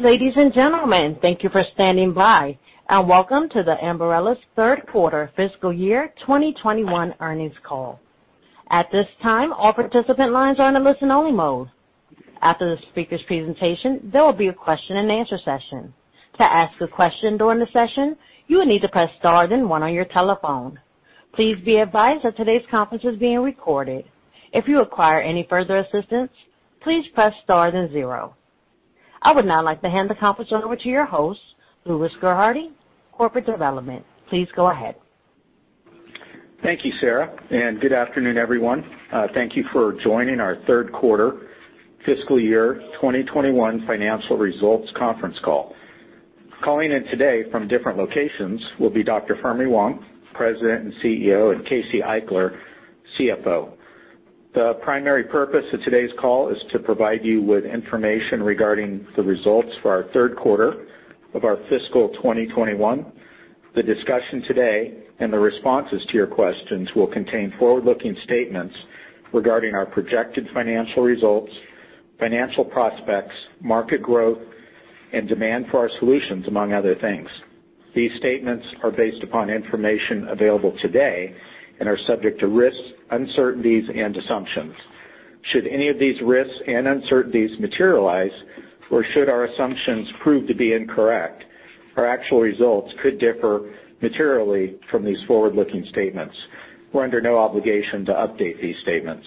Ladies and gentlemen, thank you for standing by, and welcome to the Ambarella's third quarter fiscal year 2021 earnings call. At this time, all participant lines are in a listen-only mode. After the speaker's presentation, there will be a question-and-answer session. To ask a question during the session, you will need to press star then one on your telephone. Please be advised that today's conference is being recorded. If you require any further assistance, please press star then zero. I would now like to hand the conference over to your host, Louis Gerhardy, Corporate Development. Please go ahead. Thank you, Sarah, and good afternoon, everyone. Thank you for joining our third quarter fiscal year 2021 financial results conference call. Calling in today from different locations will be Dr. Fermi Wang, President and CEO, and Casey Eichler, CFO. The primary purpose of today's call is to provide you with information regarding the results for our third quarter of our fiscal 2021. The discussion today and the responses to your questions will contain forward-looking statements regarding our projected financial results, financial prospects, market growth, and demand for our solutions, among other things. These statements are based upon information available today and are subject to risks, uncertainties, and assumptions. Should any of these risks and uncertainties materialize, or should our assumptions prove to be incorrect, our actual results could differ materially from these forward-looking statements. We're under no obligation to update these statements.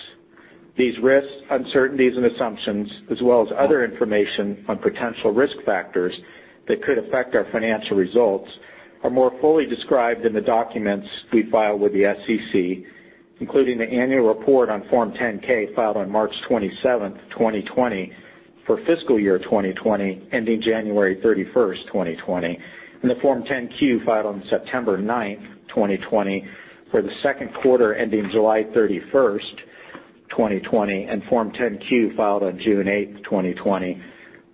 These risks, uncertainties, and assumptions, as well as other information on potential risk factors that could affect our financial results, are more fully described in the documents we file with the SEC, including the annual report on Form 10-K filed on March 27, 2020, for fiscal year 2020 ending January 31, 2020, and the Form 10-Q filed on September 9, 2020, for the second quarter ending July 31, 2020, and Form 10-Q filed on June 8, 2020,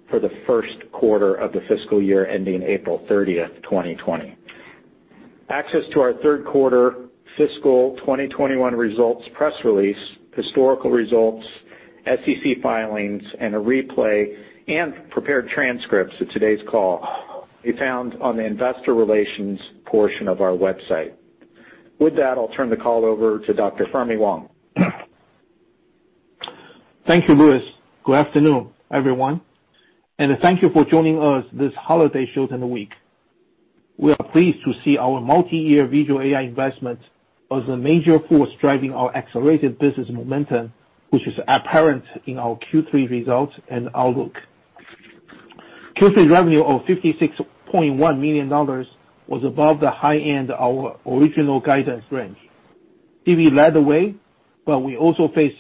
for the first quarter of the fiscal year ending April 30, 2020. Access to our third quarter fiscal 2021 results press release, historical results, SEC filings, and a replay and prepared transcripts of today's call can be found on the investor relations portion of our website. With that, I'll turn the call over to Dr. Fermi Wang. Thank you, Louis. Good afternoon, everyone, and thank you for joining us this holiday shortened week. We are pleased to see our multi-year visual AI investment as a major force driving our accelerated business momentum, which is apparent in our Q3 results and outlook. Q3 revenue of $56.1 million was above the high end of our original guidance range. It led the way, but we also faced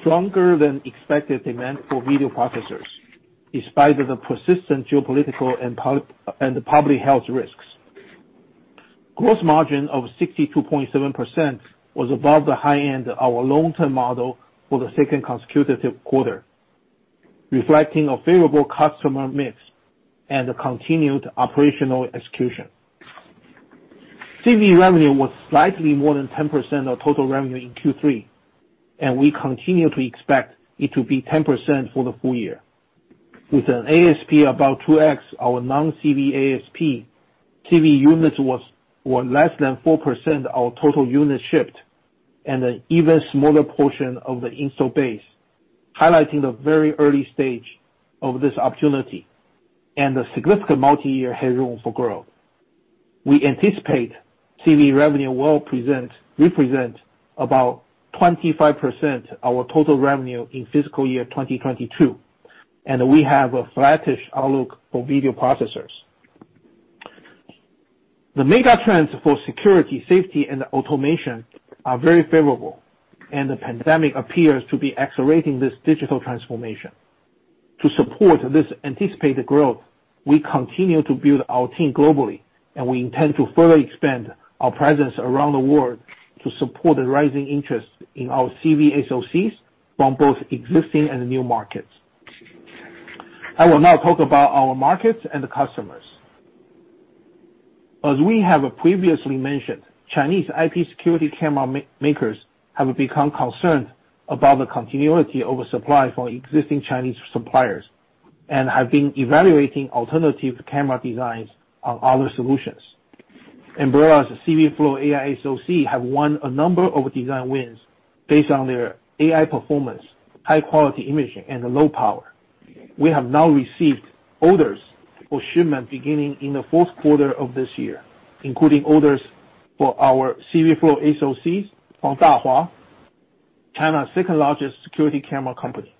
stronger-than-expected demand for video processors, despite the persistent geopolitical and public health risks. Gross margin of 62.7% was above the high end of our long-term model for the second consecutive quarter, reflecting a favorable customer mix and continued operational execution. CV revenue was slightly more than 10% of total revenue in Q3, and we continue to expect it to be 10% for the full year. With an ASP about 2X our non-CV ASP, CV units were less than 4% of total units shipped, and an even smaller portion of the install base, highlighting the very early stage of this opportunity and the significant multi-year headroom for growth. We anticipate CV revenue will represent about 25% of our total revenue in fiscal year 2022, and we have a flattish outlook for video processors. The mega trends for security, safety, and automation are very favorable, and the pandemic appears to be accelerating this digital transformation. To support this anticipated growth, we continue to build our team globally, and we intend to further expand our presence around the world to support the rising interest in our CV SoCs from both existing and new markets. I will now talk about our markets and customers. As we have previously mentioned, Chinese IP security camera makers have become concerned about the continuity of supply for existing Chinese suppliers and have been evaluating alternative camera designs on other solutions. Ambarella's CVflow AI SoC have won a number of design wins based on their AI performance, high-quality imaging, and low power. We have now received orders for shipment beginning in the fourth quarter of this year, including orders for our CVflow SoCs from Dahua, China's second largest security camera company.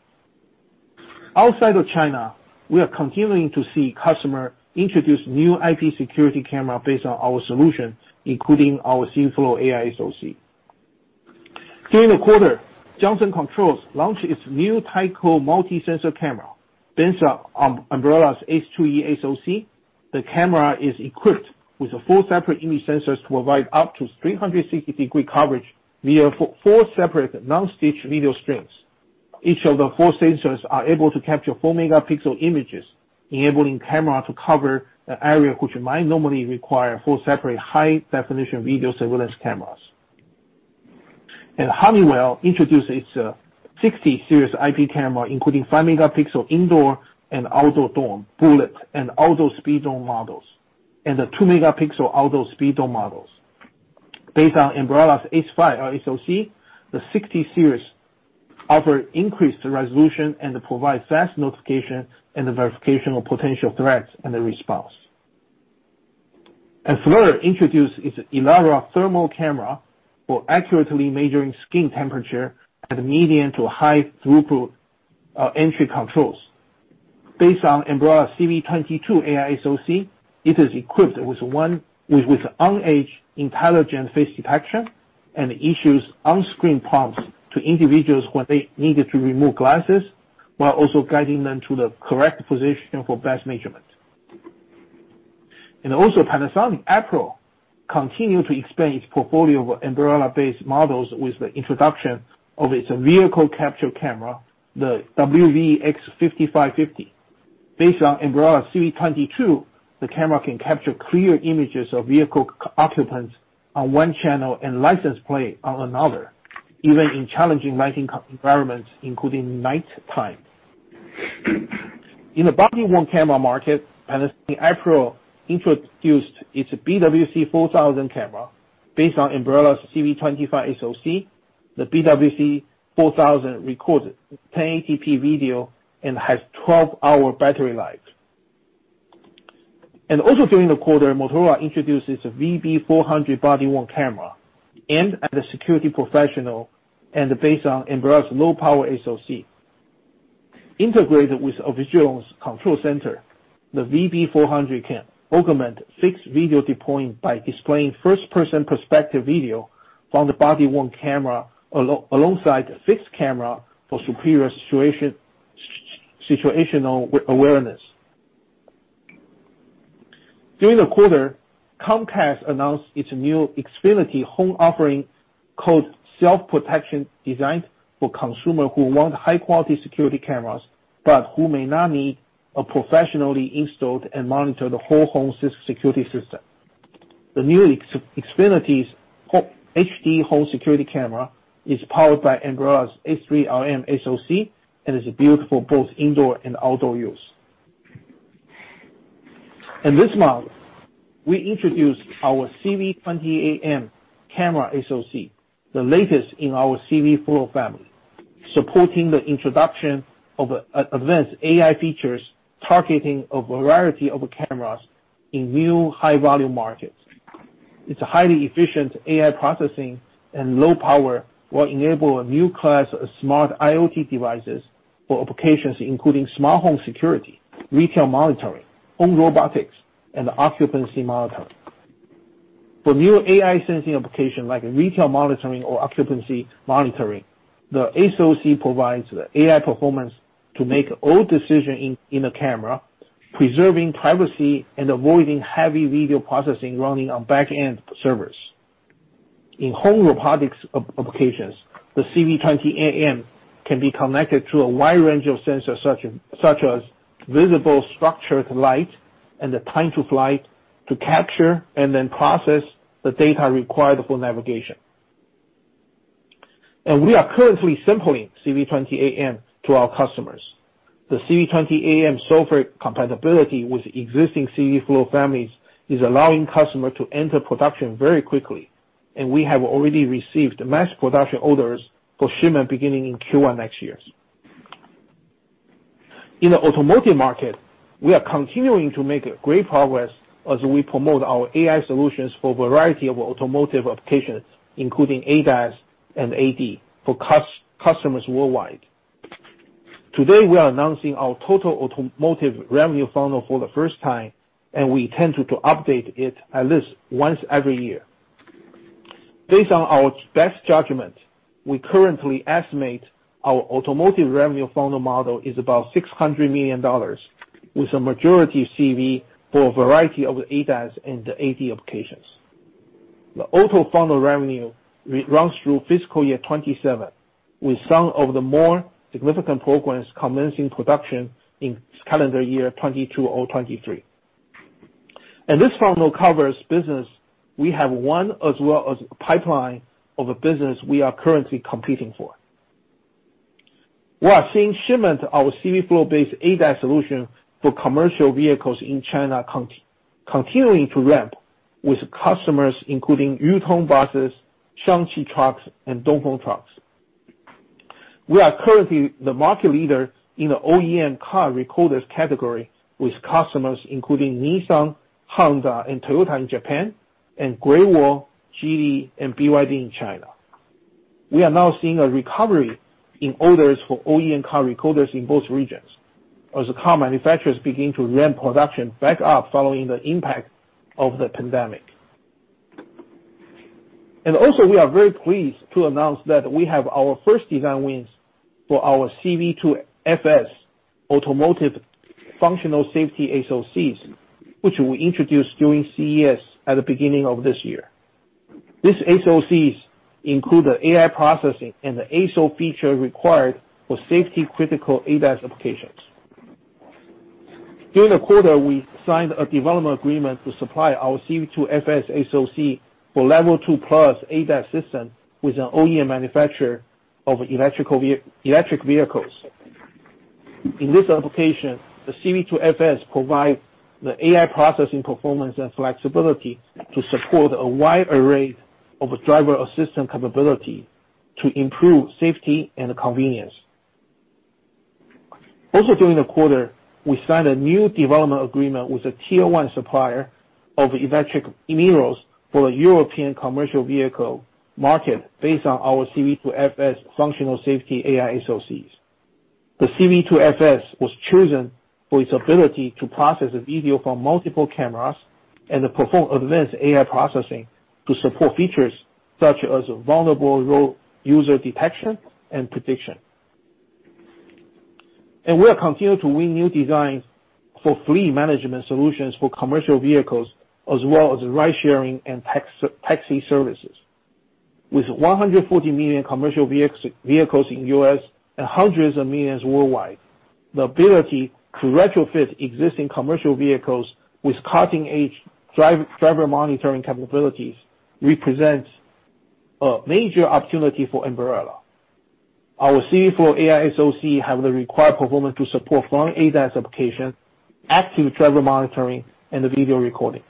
Outside of China, we are continuing to see customers introduce new IP security cameras based on our solution, including our CVflow AI SoC. During the quarter, Johnson Controls launched its new Tyco Multisensor camera, built on Ambarella's H22 SoC. The camera is equipped with four separate image sensors to provide up to 360-degree coverage via four separate non-stitched video streams. Each of the four sensors is able to capture four-megapixel images, enabling the camera to cover an area which might normally require four separate high-definition video surveillance cameras, and Honeywell introduced its 60 Series IP camera, including five-megapixel indoor and outdoor bullet and outdoor speed dome models, and the two-megapixel outdoor speed dome models. Based on Ambarella's S5 SoC, the 60 Series offers increased resolution and provides fast notification and verification of potential threats and response, and FLIR introduced its Elara thermal camera for accurately measuring skin temperature at medium to high throughput entry controls. Based on Ambarella's CV22 AI SoC, it is equipped with on-edge intelligent face detection and issues on-screen prompts to individuals when they need to remove glasses, while also guiding them to the correct position for best measurement. Panasonic continues to expand its portfolio of Ambarella-based models with the introduction of its vehicle capture camera, the WV-X5550. Based on Ambarella's CV22, the camera can capture clear images of vehicle occupants on one channel and license plates on another, even in challenging lighting environments, including nighttime. In the body-worn camera market, Panasonic introduced its BWC4000 camera. Based on Ambarella's CV25 SoC, the BWC4000 records 1080p video and has a 12-hour battery life. And also, during the quarter, Motorola introduced its VB400 body-worn camera, aimed at a security professional and based on Ambarella's low-power SoC. Integrated with a visual control center, the VB400 can augment fixed video deploying by displaying first-person perspective video from the body-worn camera alongside a fixed camera for superior situational awareness. During the quarter, Comcast announced its new Xfinity Home offering called Self-Protection, designed for consumers who want high-quality security cameras but who may not need a professionally installed and monitored whole-home security system. The new Xfinity HD home security camera is powered by Ambarella's S3LM SoC and is built for both indoor and outdoor use. And this month, we introduced our CV28M camera SoC, the latest in our CVflow family, supporting the introduction of advanced AI features targeting a variety of cameras in new high-value markets. Its highly efficient AI processing and low power will enable a new class of smart IoT devices for applications including smart home security, retail monitoring, home robotics, and occupancy monitoring. For new AI sensing applications like retail monitoring or occupancy monitoring, the SoC provides the AI performance to make all decisions in the camera, preserving privacy and avoiding heavy video processing running on back-end servers. In home robotics applications, the CV28M can be connected to a wide range of sensors such as visible structured light and time-of-flight to capture and then process the data required for navigation, and we are currently sampling CV28M to our customers. The CV28M software compatibility with existing CVflow families is allowing customers to enter production very quickly, and we have already received mass production orders for shipment beginning in Q1 next year. In the automotive market, we are continuing to make great progress as we promote our AI solutions for a variety of automotive applications, including ADAS and AD, for customers worldwide. Today, we are announcing our total automotive revenue funnel for the first time, and we tend to update it at least once every year. Based on our best judgment, we currently estimate our automotive revenue funnel model is about $600 million, with a majority of CV for a variety of ADAS and AD applications. The auto funnel revenue runs through fiscal year 2027, with some of the more significant programs commencing production in calendar year 2022 or 2023. And this funnel covers business we have won as well as a pipeline of business we are currently competing for. We are seeing shipment of our CVflow-based ADAS solution for commercial vehicles in China continuing to ramp, with customers including Yutong buses, Shaanxi trucks, and Dongfeng trucks. We are currently the market leader in the OEM car recorders category, with customers including Nissan, Honda, and Toyota in Japan, and Great Wall, Geely, and BYD in China. We are now seeing a recovery in orders for OEM car recorders in both regions, as car manufacturers begin to ramp production back up following the impact of the pandemic. And also, we are very pleased to announce that we have our first design wins for our CV2FS automotive functional safety SoCs, which we introduced during CES at the beginning of this year. These SoCs include the AI processing and the ASIL feature required for safety-critical ADAS applications. During the quarter, we signed a development agreement to supply our CV2FS SoC for Level 2+ ADAS system with an OEM manufacturer of electric vehicles. In this application, the CV2FS provides the AI processing performance and flexibility to support a wide array of driver assistance capability to improve safety and convenience. Also, during the quarter, we signed a new development agreement with a tier-one supplier of electric vehicles for the European commercial vehicle market based on our CV2FS functional safety AI SOCs. The CV2FS was chosen for its ability to process video from multiple cameras and perform advanced AI processing to support features such as vulnerable road user detection and prediction. We are continuing to win new designs for fleet management solutions for commercial vehicles, as well as ride-sharing and taxi services. With 140 million commercial vehicles in the US and hundreds of millions worldwide, the ability to retrofit existing commercial vehicles with cutting-edge driver monitoring capabilities represents a major opportunity for Ambarella. Our CVflow AI SoC has the required performance to support front ADAS application, active driver monitoring, and video recording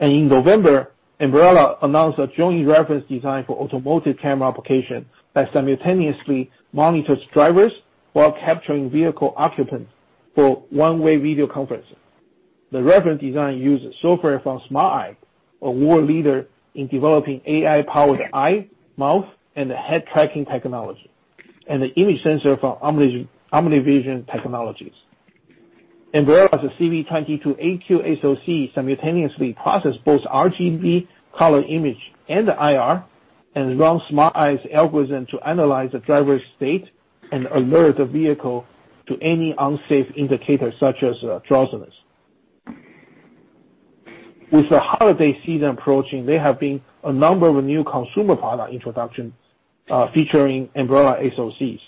and in November, Ambarella announced a joint reference design for automotive camera applications that simultaneously monitors drivers while capturing vehicle occupants for one-way video conferencing. The reference design uses software from Smart Eye, a world leader in developing AI-powered eye, mouth, and head tracking technology, and the image sensor from OmniVision Technologies. Ambarella's CV22AQ SoC simultaneously processes both RGB color image and IR, and runs Smart Eye's algorithms to analyze the driver's state and alert the vehicle to any unsafe indicator such as drowsiness. With the holiday season approaching, there have been a number of new consumer product introductions featuring Ambarella SoCs.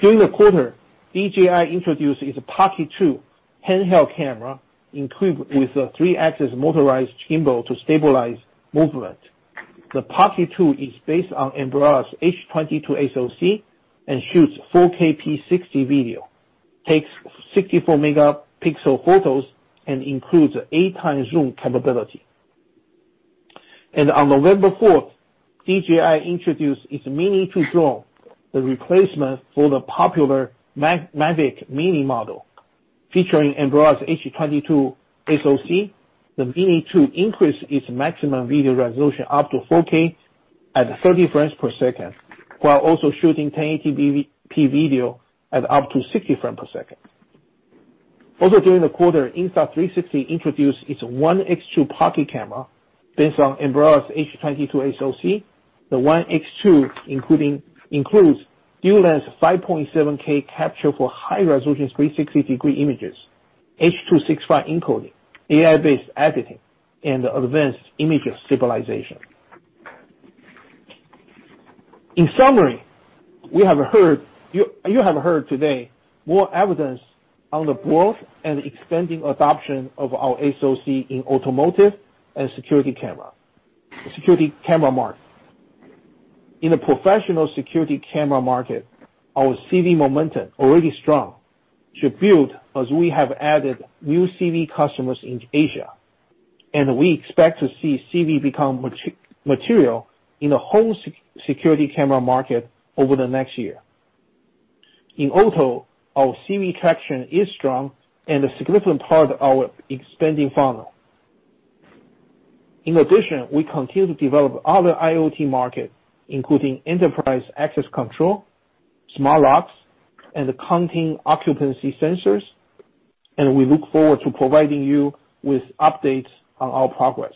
During the quarter, DJI introduced its Pocket 2 handheld camera equipped with a three-axis motorized gimbal to stabilize movement. The Pocket 2 is based on Ambarella's H22 SoC and shoots 4K p60 video, takes 64-megapixel photos, and includes an eight-time zoom capability. On November 4th, DJI introduced its Mini 2 Drone, the replacement for the popular Mavic Mini model. Featuring Ambarella's H22 SoC, the Mini 2 increases its maximum video resolution up to 4K at 30 frames per second, while also shooting 1080p video at up to 60 frames per second. Also, during the quarter, Insta360 introduced its ONE X2 Pocket camera. Based on Ambarella's H22 SoC, the ONE X2 includes Dual Lens 5.7K capture for high-resolution 360-degree images, H.265 encoding, AI-based editing, and advanced image stabilization. In summary, we have heard you have heard today more evidence on the growth and expanding adoption of our SoC in automotive and security camera. Security camera market. In the professional security camera market, our CV momentum is already strong. To build as we have added new CV customers in Asia, and we expect to see CV become material in the whole security camera market over the next year. In auto, our CV traction is strong and a significant part of our expanding funnel. In addition, we continue to develop other IoT markets, including enterprise access control, smart locks, and counting occupancy sensors, and we look forward to providing you with updates on our progress.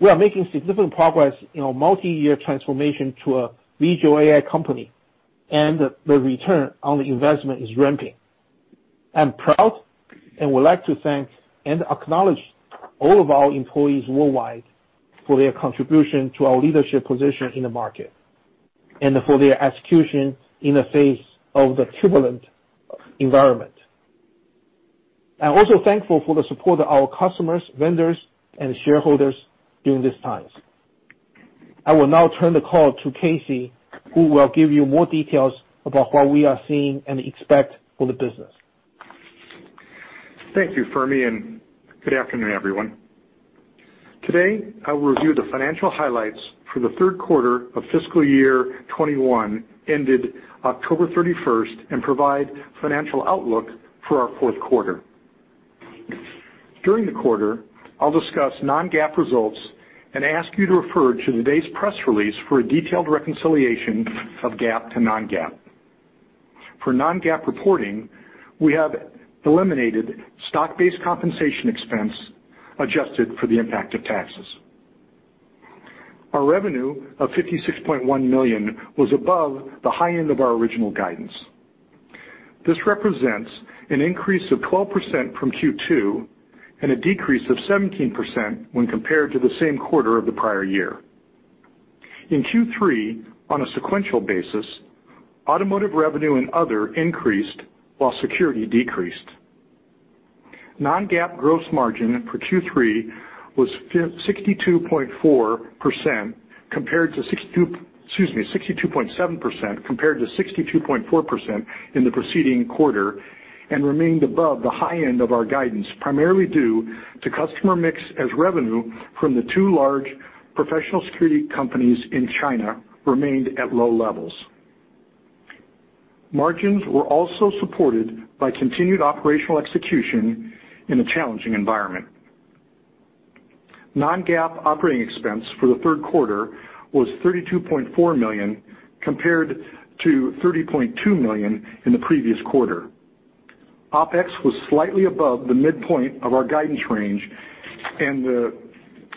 We are making significant progress in our multi-year transformation to a visual AI company, and the return on the investment is ramping. I'm proud and would like to thank and acknowledge all of our employees worldwide for their contribution to our leadership position in the market and for their execution in the face of the turbulent environment. I'm also thankful for the support of our customers, vendors, and shareholders during these times. I will now turn the call to Casey, who will give you more details about what we are seeing and expect for the business. Thank you, Fermi, and good afternoon, everyone. Today, I will review the financial highlights for the third quarter of fiscal year 2021, ended October 31st, and provide a financial outlook for our fourth quarter. During the quarter, I'll discuss non-GAAP results and ask you to refer to today's press release for a detailed reconciliation of GAAP to non-GAAP. For non-GAAP reporting, we have eliminated stock-based compensation expense adjusted for the impact of taxes. Our revenue of $56.1 million was above the high end of our original guidance. This represents an increase of 12% from Q2 and a decrease of 17% when compared to the same quarter of the prior year. In Q3, on a sequential basis, automotive revenue and other increased while security decreased. Non-GAAP gross margin for Q3 was 62.4% compared to 62.7% compared to 62.4% in the preceding quarter and remained above the high end of our guidance, primarily due to customer mix as revenue from the two large professional security companies in China remained at low levels. Margins were also supported by continued operational execution in a challenging environment. Non-GAAP operating expense for the third quarter was $32.4 million compared to $30.2 million in the previous quarter. OPEX was slightly above the midpoint of our guidance range, and the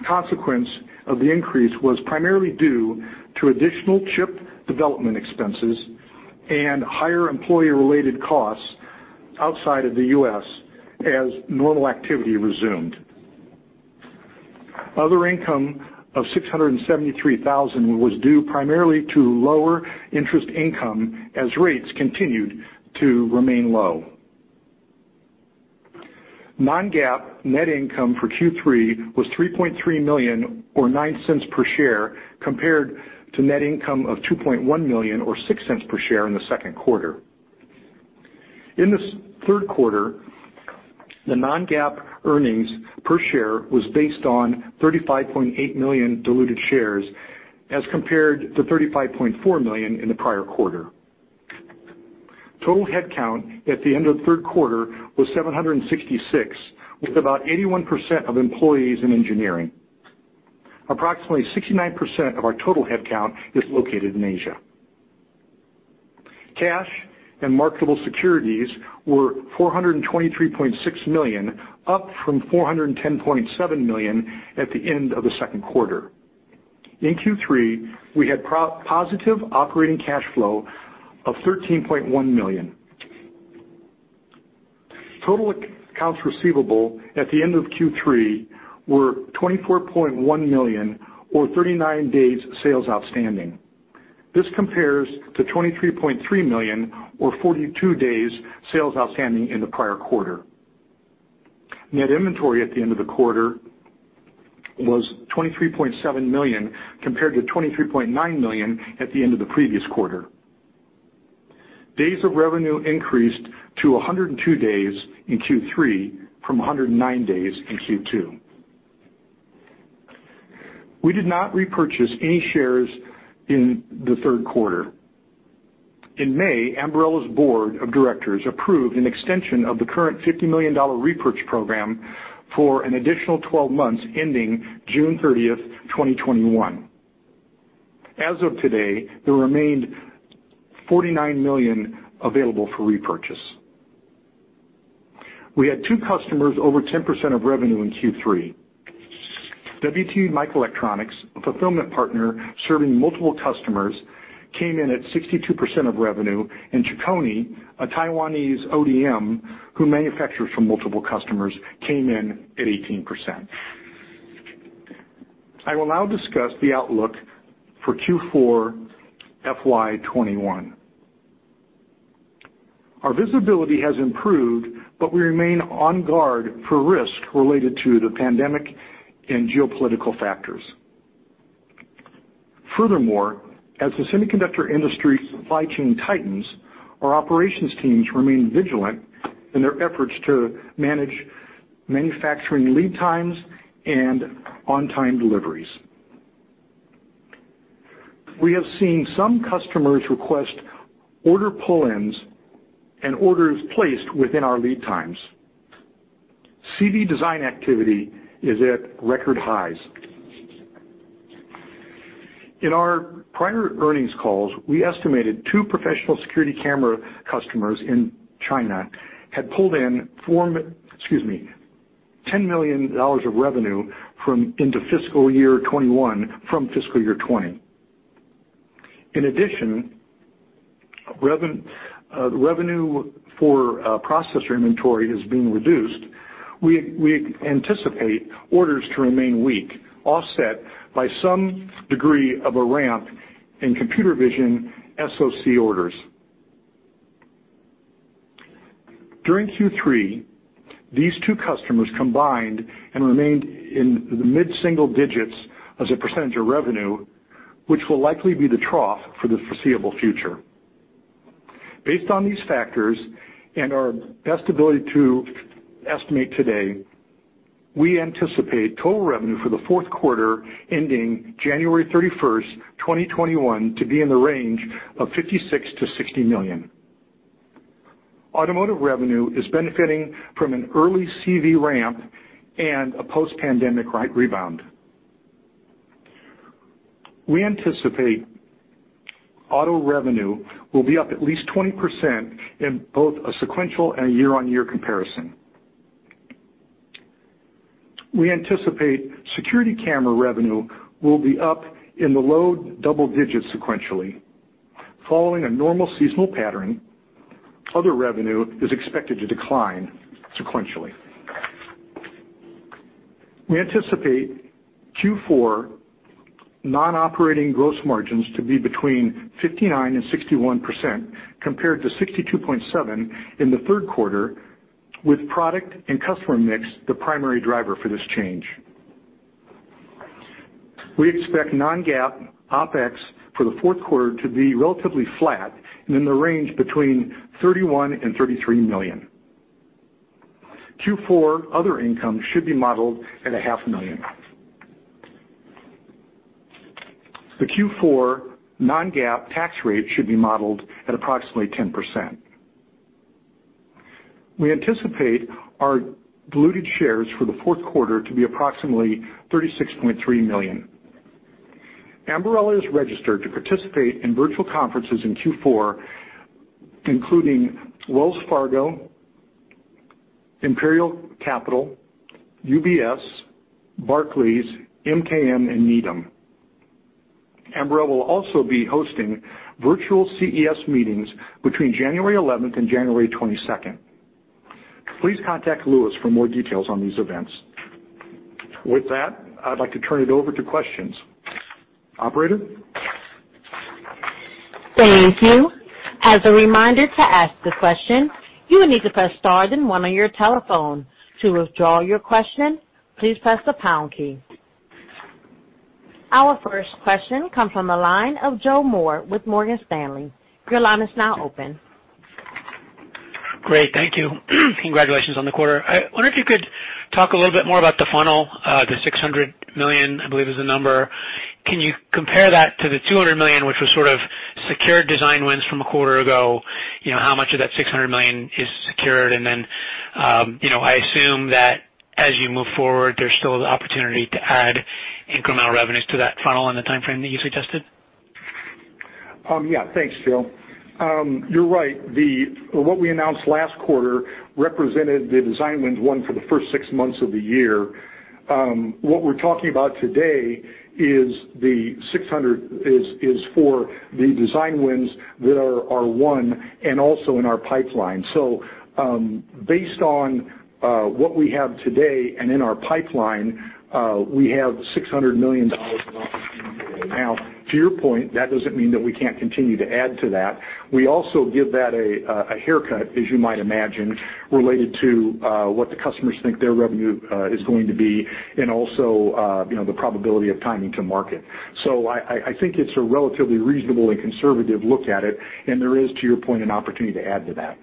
consequence of the increase was primarily due to additional chip development expenses and higher employee-related costs outside of the US as normal activity resumed. Other income of $673,000 was due primarily to lower interest income as rates continued to remain low. Non-GAAP net income for Q3 was $3.3 million or $0.09 per share compared to net income of $2.1 million or $0.06 per share in the second quarter. In this third quarter, the non-GAAP earnings per share was based on 35.8 million diluted shares as compared to 35.4 million in the prior quarter. Total headcount at the end of the third quarter was 766, with about 81% of employees in engineering. Approximately 69% of our total headcount is located in Asia. Cash and marketable securities were $423.6 million, up from $410.7 million at the end of the second quarter. In Q3, we had positive operating cash flow of $13.1 million. Total accounts receivable at the end of Q3 were $24.1 million or 39 days sales outstanding. This compares to $23.3 million or 42 days sales outstanding in the prior quarter. Net inventory at the end of the quarter was $23.7 million compared to $23.9 million at the end of the previous quarter. Days of revenue increased to 102 days in Q3 from 109 days in Q2. We did not repurchase any shares in the third quarter. In May, Ambarella's board of directors approved an extension of the current $50 million repurchase program for an additional 12 months ending June 30th, 2021. As of today, there remained $49 million available for repurchase. We had two customers over 10% of revenue in Q3. WT Microelectronics, a fulfillment partner serving multiple customers, came in at 62% of revenue, and Chicony, a Taiwanese ODM who manufactures for multiple customers, came in at 18%. I will now discuss the outlook for Q4 FY 2021. Our visibility has improved, but we remain on guard for risk related to the pandemic and geopolitical factors. Furthermore, as the semiconductor industry supply chain tightens, our operations teams remain vigilant in their efforts to manage manufacturing lead times and on-time deliveries. We have seen some customers request order pull-ins and orders placed within our lead times. CV design activity is at record highs. In our prior earnings calls, we estimated two professional security camera customers in China had pulled in $10 million of revenue into fiscal year 2021 from fiscal year 2020. In addition, revenue for processor inventory has been reduced. We anticipate orders to remain weak, offset by some degree of a ramp in computer vision SOC orders. During Q3, these two customers combined and remained in the mid-single digits as a percentage of revenue, which will likely be the trough for the foreseeable future. Based on these factors and our best ability to estimate today, we anticipate total revenue for the fourth quarter ending January 31st, 2021, to be in the range of $56-$60 million. Automotive revenue is benefiting from an early CV ramp and a post-pandemic rebound. We anticipate auto revenue will be up at least 20% in both a sequential and a year-on-year comparison. We anticipate security camera revenue will be up in the low double digits sequentially. Following a normal seasonal pattern, other revenue is expected to decline sequentially. We anticipate Q4 non-GAAP gross margins to be between 59%-61% compared to 62.7% in the third quarter, with product and customer mix the primary driver for this change. We expect non-GAAP OPEX for the fourth quarter to be relatively flat in the range between $31-$33 million. Q4 other income should be modeled at $500,000. The Q4 Non-GAAP tax rate should be modeled at approximately 10%. We anticipate our diluted shares for the fourth quarter to be approximately 36.3 million. Ambarella is registered to participate in virtual conferences in Q4, including Wells Fargo, Imperial Capital, UBS, Barclays, MKM, and Needham. Ambarella will also be hosting virtual CES meetings between January 11th and January 22nd. Please contact Louis for more details on these events. With that, I'd like to turn it over to questions. Operator? Thank you. As a reminder to ask the question, you will need to press star then one on your telephone. To withdraw your question, please press the pound key. Our first question comes from the line of Joe Moore with Morgan Stanley. Your line is now open. Great. Thank you. Congratulations on the quarter. I wonder if you could talk a little bit more about the funnel, the $600 million, I believe is the number. Can you compare that to the $200 million, which was sort of secured design wins from a quarter ago? How much of that $600 million is secured? And then I assume that as you move forward, there's still the opportunity to add incremental revenues to that funnel in the timeframe that you suggested. Yeah. Thanks, Joe. You're right. What we announced last quarter represented the design wins for the first six months of the year. What we're talking about today is the $600 million is for the design wins that are won and also in our pipeline. So based on what we have today and in our pipeline, we have $600 million of opportunity today. Now, to your point, that doesn't mean that we can't continue to add to that. We also give that a haircut, as you might imagine, related to what the customers think their revenue is going to be and also the probability of timing to market. So I think it's a relatively reasonable and conservative look at it, and there is, to your point, an opportunity to add to that.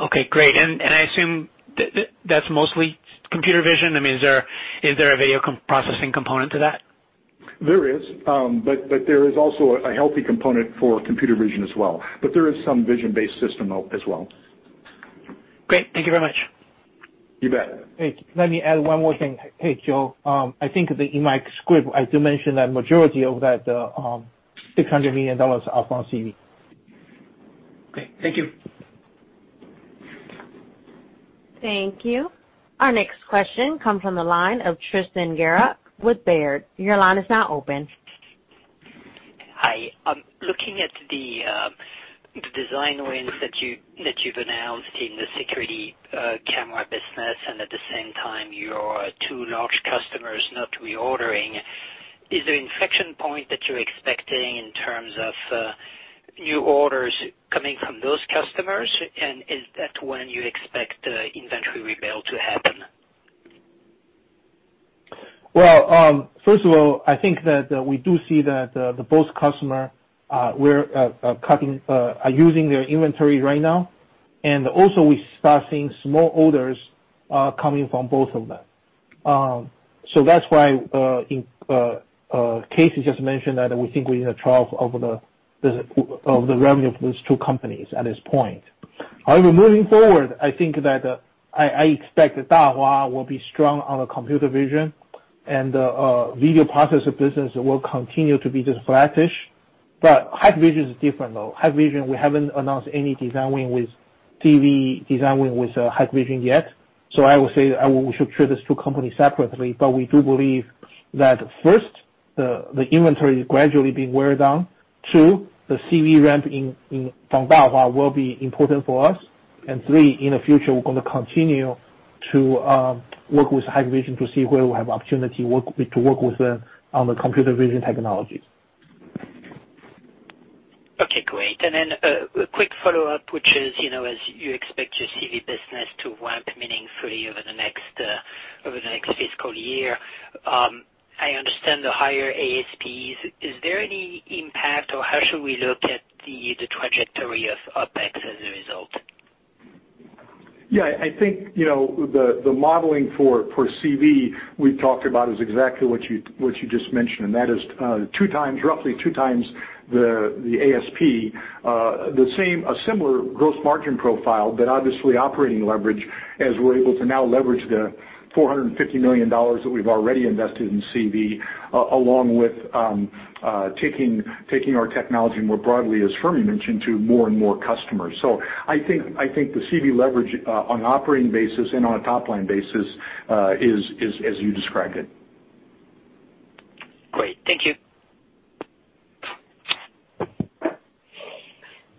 Okay. Great. And I assume that's mostly computer vision. I mean, is there a video processing component to that? There is, but there is also a healthy component for computer vision as well. But there is some vision-based system as well. Great. Thank you very much. You bet. Thank you. Let me add one more thing. Hey, Joe, I think in my script, I do mention that majority of that $600 million are from CV. Okay. Thank you. Thank you. Our next question comes from the line of Tristan Gerra with Baird. Your line is now open. Hi. Looking at the design wins that you've announced in the security camera business and at the same time your two large customers not reordering, is there an inflection point that you're expecting in terms of new orders coming from those customers? And is that when you expect the inventory rebuild to happen? Well, first of all, I think that we do see that both customers are using their inventory right now. And also, we start seeing small orders coming from both of them. So that's why Casey just mentioned that we think we're in the trough of the revenue for those two companies at this point. However, moving forward, I think that I expect that Dahua will be strong on the computer vision, and video processor business will continue to be just flattish. But Hikvision is different, though. Hikvision, we haven't announced any design win with CV design win with Hikvision yet. So, I would say we should treat those two companies separately. But we do believe that, first, the inventory is gradually being worn down. Two, the CV ramp from Dahua will be important for us. And three, in the future, we're going to continue to work with Hikvision to see where we have opportunity to work with them on the computer vision technologies. Okay. Great. And then a quick follow-up, which is, as you expect your CV business to ramp meaningfully over the next fiscal year, I understand the higher ASPs. Is there any impact, or how should we look at the trajectory of OPEX as a result? Yeah. I think the modeling for CV we talked about is exactly what you just mentioned, and that is roughly two times the ASP, a similar gross margin profile, but obviously operating leverage as we're able to now leverage the $450 million that we've already invested in CV, along with taking our technology more broadly, as Fermi mentioned, to more and more customers. So I think the CV leverage on an operating basis and on a top-line basis is, as you described it. Great. Thank you.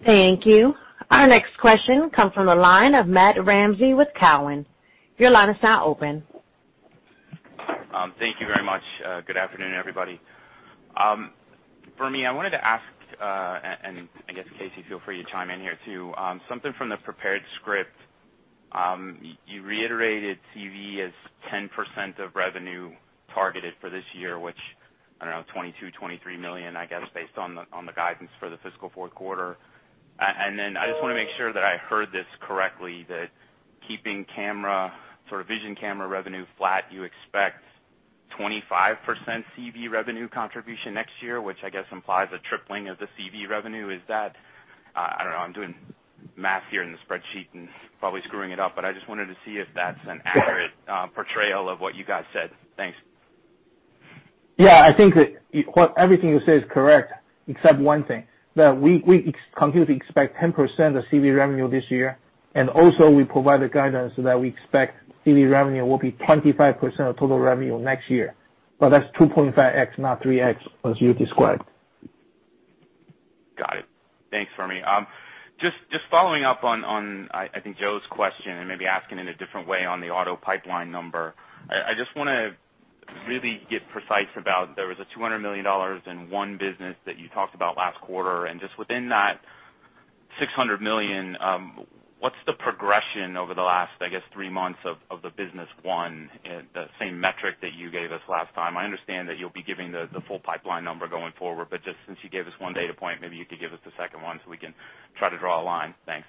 Thank you. Our next question comes from the line of Matt Ramsay with Cowen. Your line is now open. Thank you very much. Good afternoon, everybody. Fermi, I wanted to ask, and I guess Casey, feel free to chime in here too, something from the prepared script. You reiterated CV as 10% of revenue targeted for this year, which, I don't know, $22-$23 million, I guess, based on the guidance for the fiscal fourth quarter. And then I just want to make sure that I heard this correctly, that keeping camera sort of vision camera revenue flat, you expect 25% CV revenue contribution next year, which I guess implies a tripling of the CV revenue. Is that—I don't know. I'm doing math here in the spreadsheet and probably screwing it up, but I just wanted to see if that's an accurate portrayal of what you guys said. Thanks. Yeah. I think that everything you say is correct, except one thing. That we continue to expect 10% of CV revenue this year. And also, we provide the guidance that we expect CV revenue will be 25% of total revenue next year. But that's 2.5x, not 3x, as you described. Got it. Thanks, Fermi. Just following up on, I think, Joe's question and maybe asking in a different way on the auto pipeline number. I just want to really get precise about. There was a $200 million in one business that you talked about last quarter. And just within that $600 million, what's the progression over the last, I guess, three months of the business one and the same metric that you gave us last time? I understand that you'll be giving the full pipeline number going forward, but just since you gave us one data point, maybe you could give us the second one so we can try to draw a line. Thanks.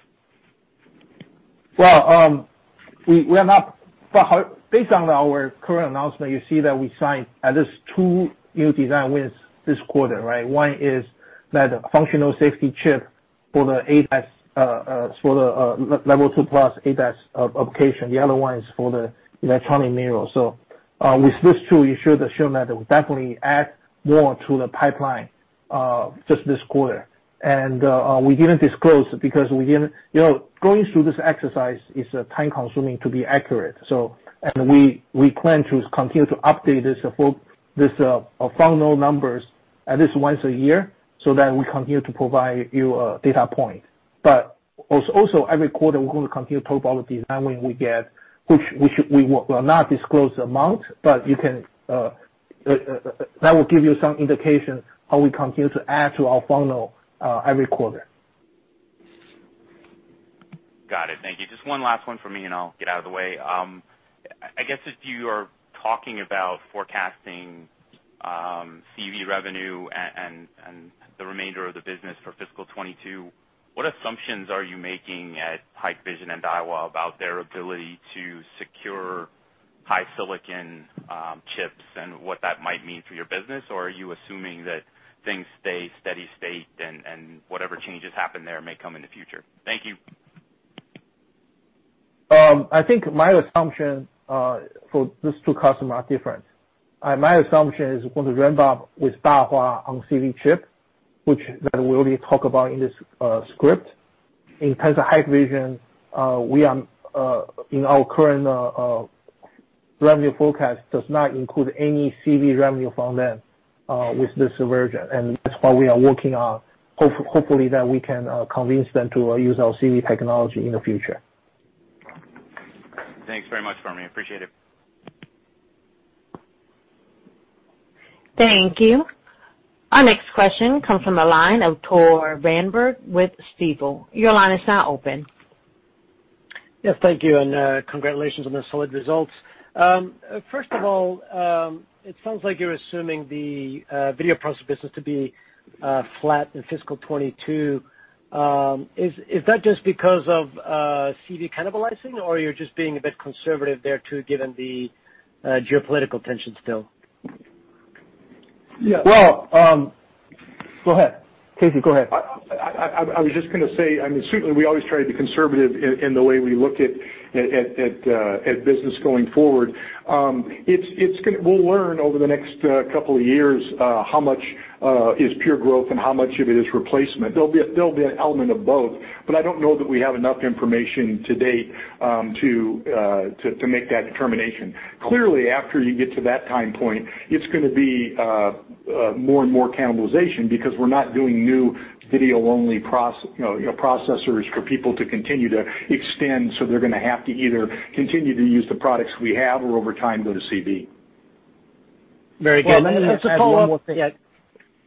Well, based on our current announcement, you see that we signed at least two new design wins this quarter, right? One is that functional safety chip for the ADAS, for the Level 2+ ADAS application. The other one is for the electronic mirror. So with these two, you should assume that we'll definitely add more to the pipeline just this quarter. And we didn't disclose because going through this exercise is time-consuming to be accurate. And we plan to continue to update these fundamental numbers at least once a year so that we continue to provide you a data point. But also, every quarter, we're going to continue to talk about the design win we get, which we will not disclose the amount, but that will give you some indication how we continue to add to our funnel every quarter. Got it. Thank you. Just one last one for me, and I'll get out of the way. I guess if you are talking about forecasting CV revenue and the remainder of the business for fiscal 2022, what assumptions are you making at Hikvision and Dahua about their ability to secure HiSilicon chips and what that might mean for your business? Or are you assuming that things stay steady state and whatever changes happen there may come in the future? Thank you. I think my assumption for these two customers are different. My assumption is we're going to ramp up with Dahua on CV chip, which that we already talked about in this script. In terms of Hikvision, in our current revenue forecast, does not include any CV revenue from them with this version. And that's what we are working on. Hopefully, that we can convince them to use our CV technology in the future. Thanks very much, Fermi. Appreciate it. Thank you. Our next question comes from the line of Tore Svanberg with Stifel. Your line is now open. Yes. Thank you. And congratulations on the solid results. First of all, it sounds like you're assuming the video processor business to be flat in fiscal 2022. Is that just because of CV cannibalizing, or are you just being a bit conservative there too given the geopolitical tension still? Yeah. Well, go ahead. Casey, go ahead. I was just going to say, I mean, certainly, we always try to be conservative in the way we look at business going forward. We'll learn over the next couple of years how much is pure growth and how much of it is replacement. There'll be an element of both, but I don't know that we have enough information to date to make that determination. Clearly, after you get to that time point, it's going to be more and more cannibalization because we're not doing new video-only processors for people to continue to extend. So they're going to have to either continue to use the products we have or, over time, go to CV. Very good. Let me just follow up. Yeah.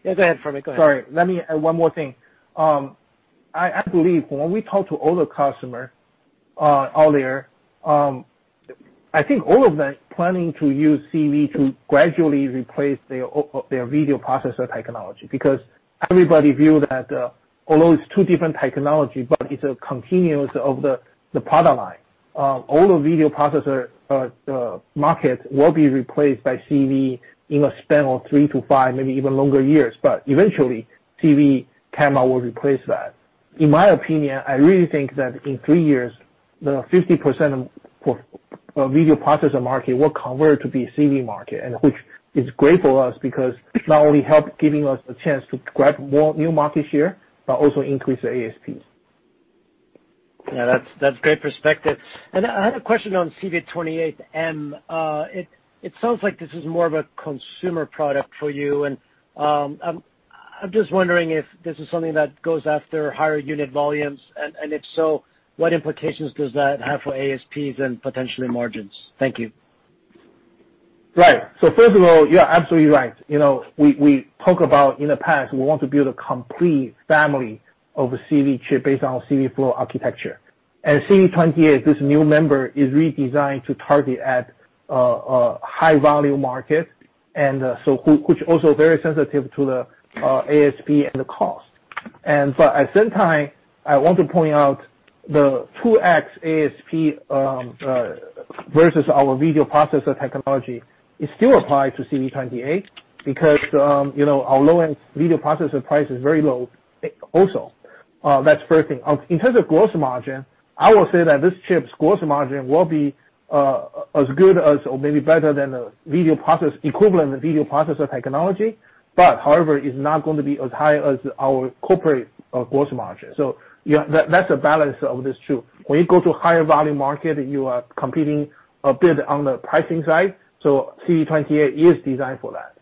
Go ahead, Fermi. Go ahead. Sorry. One more thing. I believe when we talked to other customers earlier, I think all of them are planning to use CV to gradually replace their video processor technology because everybody views that although it's two different technologies, but it's a continuation of the product line. All the video processor markets will be replaced by CV in a span of three to five, maybe even longer years. But eventually, CV camera will replace that. In my opinion, I really think that in three years, 50% of video processor market will convert to be CV market, which is great for us because it not only helps giving us a chance to grab more new market share, but also increase the ASPs. Yeah. That's great perspective. And I had a question on CV28M. It sounds like this is more of a consumer product for you. And I'm just wondering if this is something that goes after higher unit volumes. And if so, what implications does that have for ASPs and potentially margins? Thank you. Right. So first of all, you're absolutely right. We talked about in the past, we want to build a complete family of a CV chip based on CVflow architecture. CV 28, this new member is redesigned to target at a high-value market, which is also very sensitive to the ASP and the cost. But at the same time, I want to point out the 2x ASP versus our video processor technology is still applied to CV 28 because our low-end video processor price is very low also. That's the first thing. In terms of gross margin, I will say that this chip's gross margin will be as good or maybe better than the video processor equivalent video processor technology, but however, it's not going to be as high as our corporate gross margin. So that's the balance of this too. When you go to a higher-value market, you are competing a bit on the pricing side. So CV 28 is designed for that.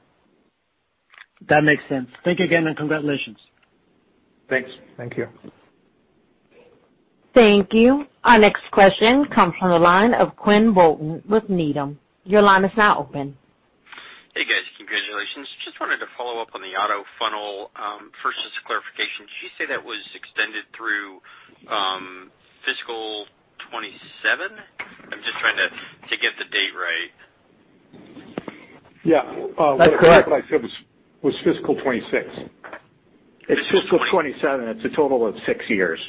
That makes sense. Thank you again, and congratulations. Thanks. Thank you. Thank you. Our next question comes from the line of Quinn Bolton with Needham. Your line is now open. Hey, guys. Congratulations. Just wanted to follow up on the auto funnel. First, just a clarification. Did you say that was extended through fiscal 2027? I'm just trying to get the date right. Yeah. That's correct. I thought I said it was fiscal 2026. It's fiscal 2027. It's a total of six years.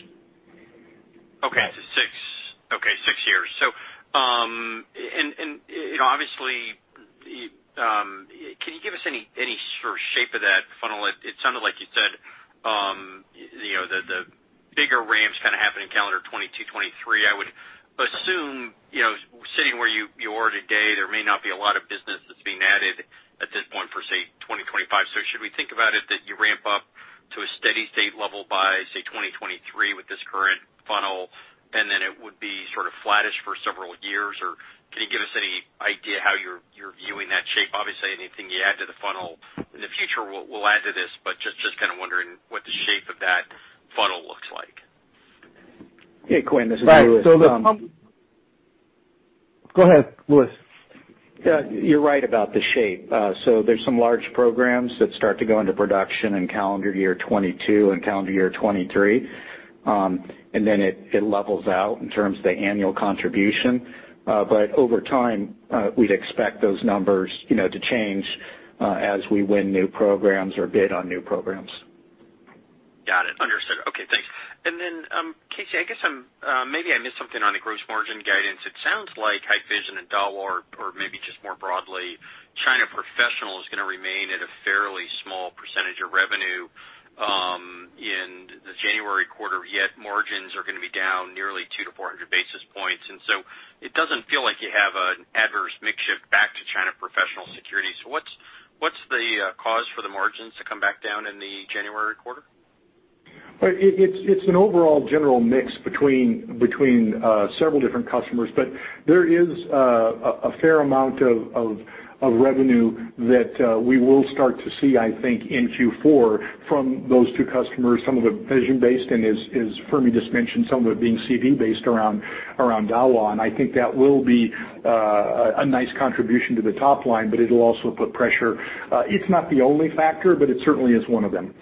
Okay. Okay. Six years. And obviously, can you give us any sort of shape of that funnel? It sounded like you said the bigger ramps kind of happen in calendar 2022, 2023. I would assume sitting where you are today, there may not be a lot of business that's being added at this point for, say, 2025. So should we think about it that you ramp up to a steady state level by, say, 2023 with this current funnel, and then it would be sort of flattish for several years? Or can you give us any idea how you're viewing that shape? Obviously, anything you add to the funnel in the future will add to this, but just kind of wondering what the shape of that funnel looks like. Hey, Quinn. This is Louis. Go ahead, Louis. Yeah. You're right about the shape. So there's some large programs that start to go into production in calendar year 2022 and calendar year 2023. And then it levels out in terms of the annual contribution. But over time, we'd expect those numbers to change as we win new programs or bid on new programs. Got it. Understood. Okay. Thanks. And then, Casey, I guess maybe I missed something on the gross margin guidance. It sounds like Hikvision and Dahua or maybe just more broadly, China Professional is going to remain at a fairly small percentage of revenue in the January quarter, yet margins are going to be down nearly 2-400 basis points. And so, it doesn't feel like you have an adverse mixture back to China Professional security. So, what's the cause for the margins to come back down in the January quarter? It's an overall general mix between several different customers, but there is a fair amount of revenue that we will start to see, I think, in Q4 from those two customers. Some of it is vision-based, and as Fermi just mentioned, some of it being CV-based around Dahua. And I think that will be a nice contribution to the top line, but it'll also put pressure. It's not the only factor, but it certainly is one of them.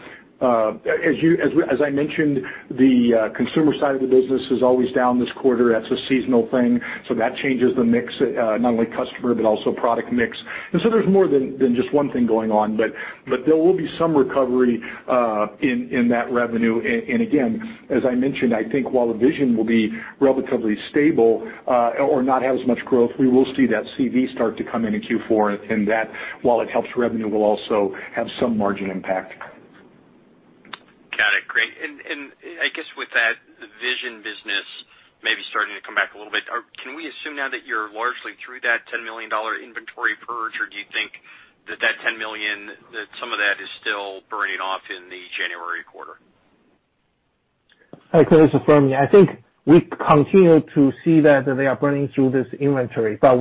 As I mentioned, the consumer side of the business is always down this quarter. That's a seasonal thing. So that changes the mix, not only customer but also product mix. And so there's more than just one thing going on, but there will be some recovery in that revenue. And again, as I mentioned, I think while the vision will be relatively stable or not have as much growth, we will see that CV start to come in in Q4, and that while it helps revenue, will also have some margin impact. Got it. Great. I guess with that vision business maybe starting to come back a little bit, can we assume now that you're largely through that $10 million inventory purge, or do you think that that $10 million, that some of that is still burning off in the January quarter? I can just affirm, yeah. I think we continue to see that they are burning through this inventory, but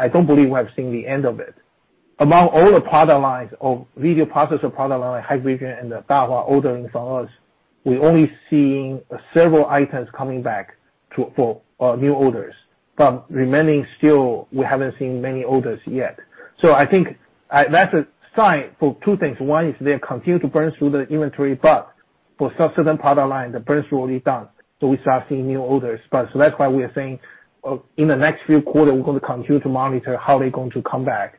I don't believe we have seen the end of it. Among all the product lines or video processor product line, Hikvision and Dahua ordering from us, we're only seeing several items coming back for new orders. But remaining still, we haven't seen many orders yet. So I think that's a sign for two things. One is they continue to burn through the inventory, but for some certain product line, the burn through is done. So we start seeing new orders. So that's why we are saying in the next few quarters, we're going to continue to monitor how they're going to come back.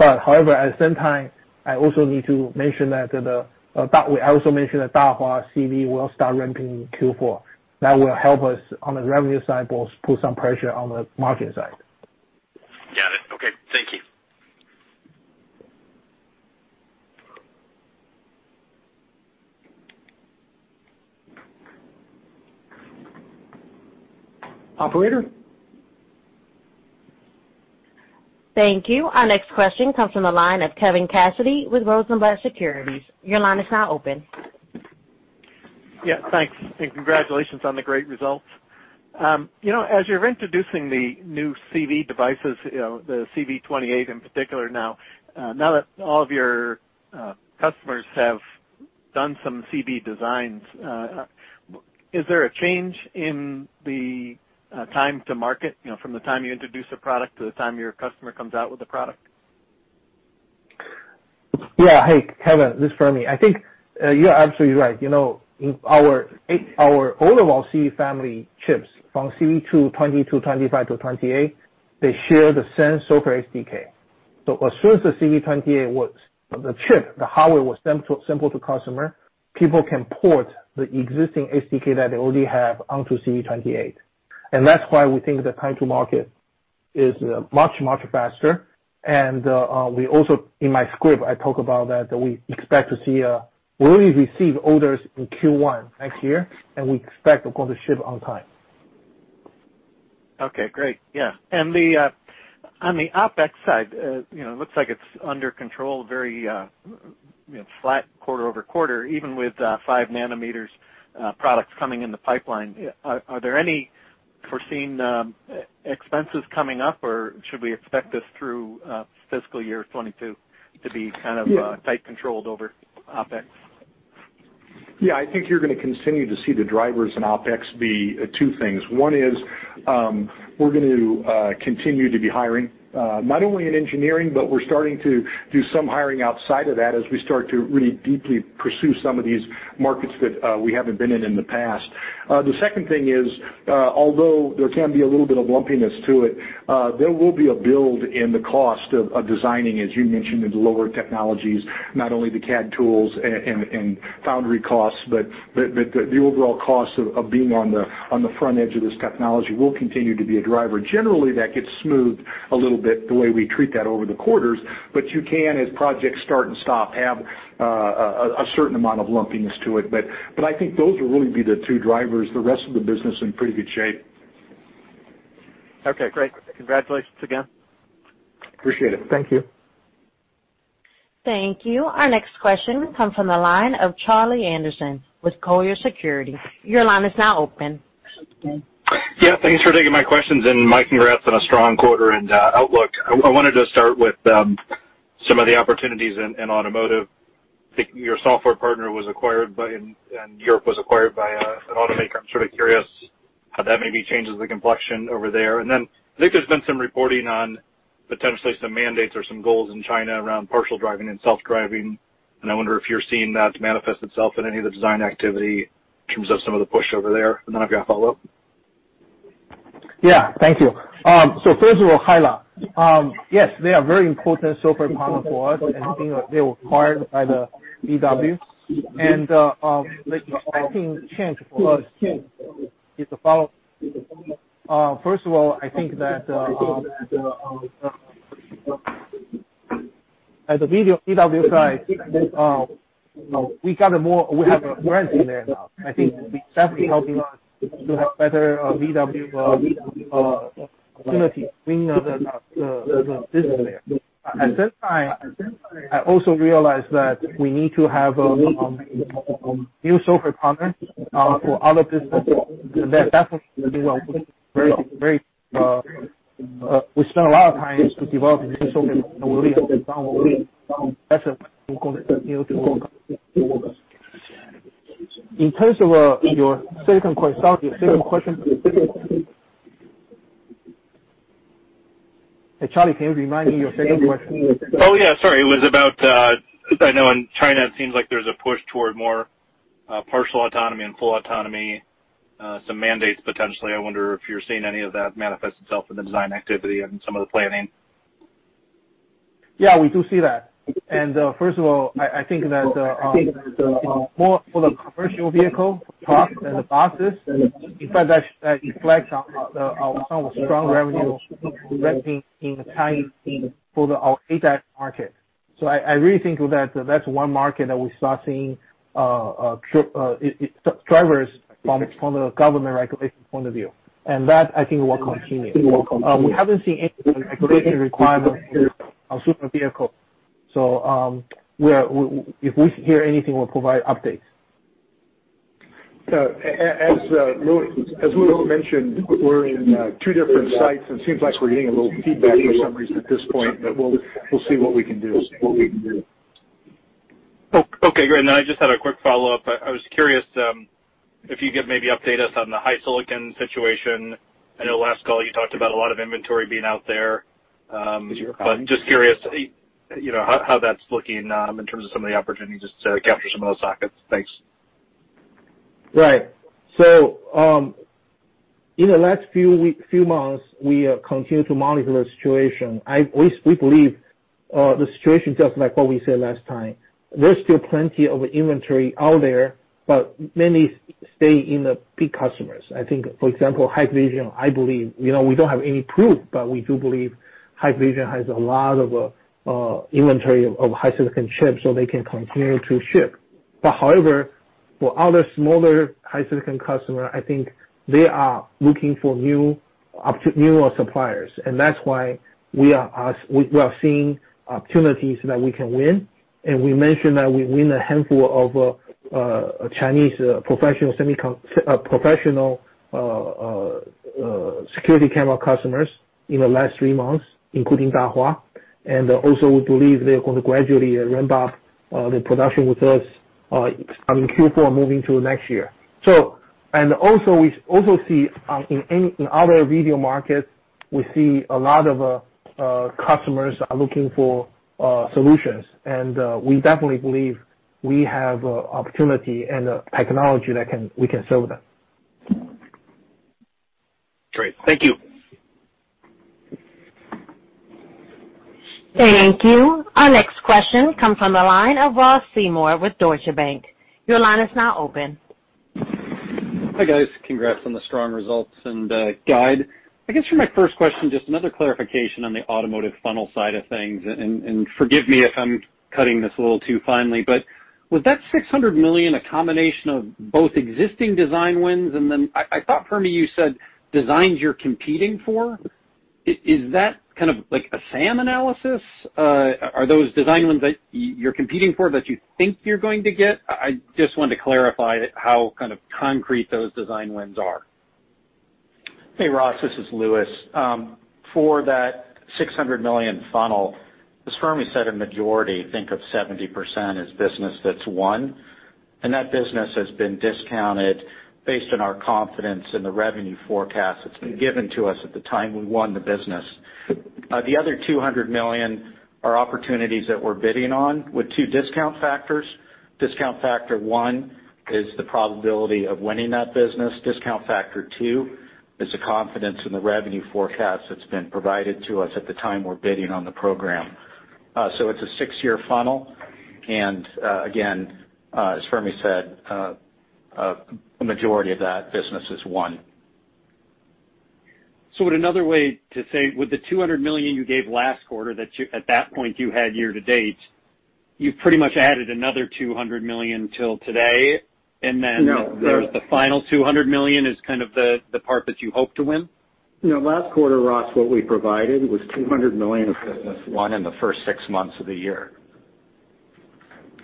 But however, at the same time, I also need to mention that I also mentioned that Dahua CV will start ramping in Q4. That will help us on the revenue side both put some pressure on the margin side. Got it. Okay. Thank you. Thank you. Our next question comes from the line of Kevin Cassidy with Rosenblatt Securities. Your line is now open. Yeah. Thanks. And congratulations on the great results. As you're introducing the new CV devices, the CV28 in particular now, now that all of your customers have done some CV designs, is there a change in the time to market from the time you introduce a product to the time your customer comes out with the product? Yeah. Hey, Kevin, this is Fermi. I think you're absolutely right. Our overall CV family chips from CV2 to CV25 to CV28, they share the same software SDK. So as soon as the CV28, the chip, the hardware was sent to a customer, people can port the existing SDK that they already have onto CV28. And that's why we think the time to market is much, much faster. And in my script, I talk about that we expect to see we already received orders in Q1 next year, and we expect we're going to ship on time. Okay. Great. Yeah. And on the OPEX side, it looks like it's under control, very flat quarter over quarter, even with 5 nanometers products coming in the pipeline. Are there any foreseen expenses coming up, or should we expect this through fiscal year 2022 to be kind of tight controlled over OpEx? Yeah. I think you're going to continue to see the drivers in OpEx be two things. One is we're going to continue to be hiring not only in engineering, but we're starting to do some hiring outside of that as we start to really deeply pursue some of these markets that we haven't been in in the past. The second thing is, although there can be a little bit of lumpiness to it, there will be a build in the cost of designing, as you mentioned, into lower technologies, not only the CAD tools and foundry costs, but the overall cost of being on the front edge of this technology will continue to be a driver. Generally, that gets smoothed a little bit the way we treat that over the quarters, but you can, as projects start and stop, have a certain amount of lumpiness to it. But I think those will really be the two drivers. The rest of the business is in pretty good shape. Okay. Great. Congratulations again. Appreciate it. Thank you. Thank you. Our next question comes from the line of Charlie Anderson with Colliers Securities. Your line is now open. Yeah. Thanks for taking my questions, and my congrats on a strong quarter and outlook. I wanted to start with some of the opportunities in automotive. I think your software partner was acquired, in Europe was acquired by an automaker. I'm sort of curious how that maybe changes the complexion over there. And then I think there's been some reporting on potentially some mandates or some goals in China around partial driving and self-driving. I wonder if you're seeing that manifest itself in any of the design activity in terms of some of the push over there. And then I've got to follow up. Yeah. Thank you. So first of all, Hella, yes, they are a very important software partner for us. I think they were acquired by VW. And the significant change for us is the following. First of all, I think that at the VW side, we have a brand in there now. I think it's definitely helping us to have better VW opportunities in the business there. At the same time, I also realized that we need to have a new software partner for other businesses. And that definitely will be very. We spent a lot of time developing new software that we really understand what we need. That's a. We're going to continue to work on. In terms of your second question, sorry, your second question. Hey, Charlie, can you remind me your second question? Oh, yeah. Sorry. It was about, I know in China, it seems like there's a push toward more partial autonomy and full autonomy, some mandates potentially. I wonder if you're seeing any of that manifest itself in the design activity and some of the planning. Yeah. We do see that. And first of all, I think that for the commercial vehicle trucks and the buses, in fact, that reflects some of the strong revenue in China for our ADAS market. So I really think that that's one market that we start seeing drivers from the government regulation point of view. And that, I think, will continue. We haven't seen any regulation requirements for super vehicles. So if we hear anything, we'll provide updates. So as Louis mentioned, we're in two different sites. It seems like we're getting a little feedback for some reason at this point, but we'll see what we can do. Okay. Great. And then I just had a quick follow-up. I was curious if you could maybe update us on the HiSilicon situation. I know last call you talked about a lot of inventory being out there. But just curious how that's looking in terms of some of the opportunities just to capture some of those sockets. Thanks. Right. So in the last few months, we continue to monitor the situation. We believe the situation is just like what we said last time. There's still plenty of inventory out there, but many stay in the big customers. I think, for example, Hikvision, I believe we don't have any proof, but we do believe Hikvision has a lot of inventory of HiSilicon chips so they can continue to ship, but however, for other smaller HiSilicon customers, I think they are looking for new suppliers, and that's why we are seeing opportunities that we can win, and we mentioned that we win a handful of Chinese professional security camera customers in the last three months, including Dahua, and also, we believe they're going to gradually ramp up the production with us starting Q4 and moving to next year, and also, we also see in other video markets, we see a lot of customers are looking for solutions, and we definitely believe we have an opportunity and a technology that we can serve them. Great. Thank you. Thank you. Our next question comes from the line of Ross Seymore with Deutsche Bank. Your line is now open. Hi guys. Congrats on the strong results and guide. I guess for my first question, just another clarification on the automotive funnel side of things. And forgive me if I'm cutting this a little too finely, but was that $600 million a combination of both existing design wins? And then I thought, Fermi, you said designs you're competing for. Is that kind of a SAM analysis? Are those design wins that you're competing for that you think you're going to get? I just wanted to clarify how kind of concrete those design wins are. Hey, Ross, this is Louis. For that $600 million funnel, as Fermi said, a majority think of 70% as business that's won. That business has been discounted based on our confidence in the revenue forecast that's been given to us at the time we won the business. The other $200 million are opportunities that we're bidding on with two discount factors. Discount factor one is the probability of winning that business. Discount factor two is the confidence in the revenue forecast that's been provided to us at the time we're bidding on the program. It's a six-year funnel. Again, as Fermi said, a majority of that business is won. So, would another way to say, with the $200 million you gave last quarter that at that point you had year to date, you've pretty much added another $200 million till today. Then the final $200 million is kind of the part that you hope to win? No. Last quarter, Ross, what we provided was $200 million of business won in the first six months of the year.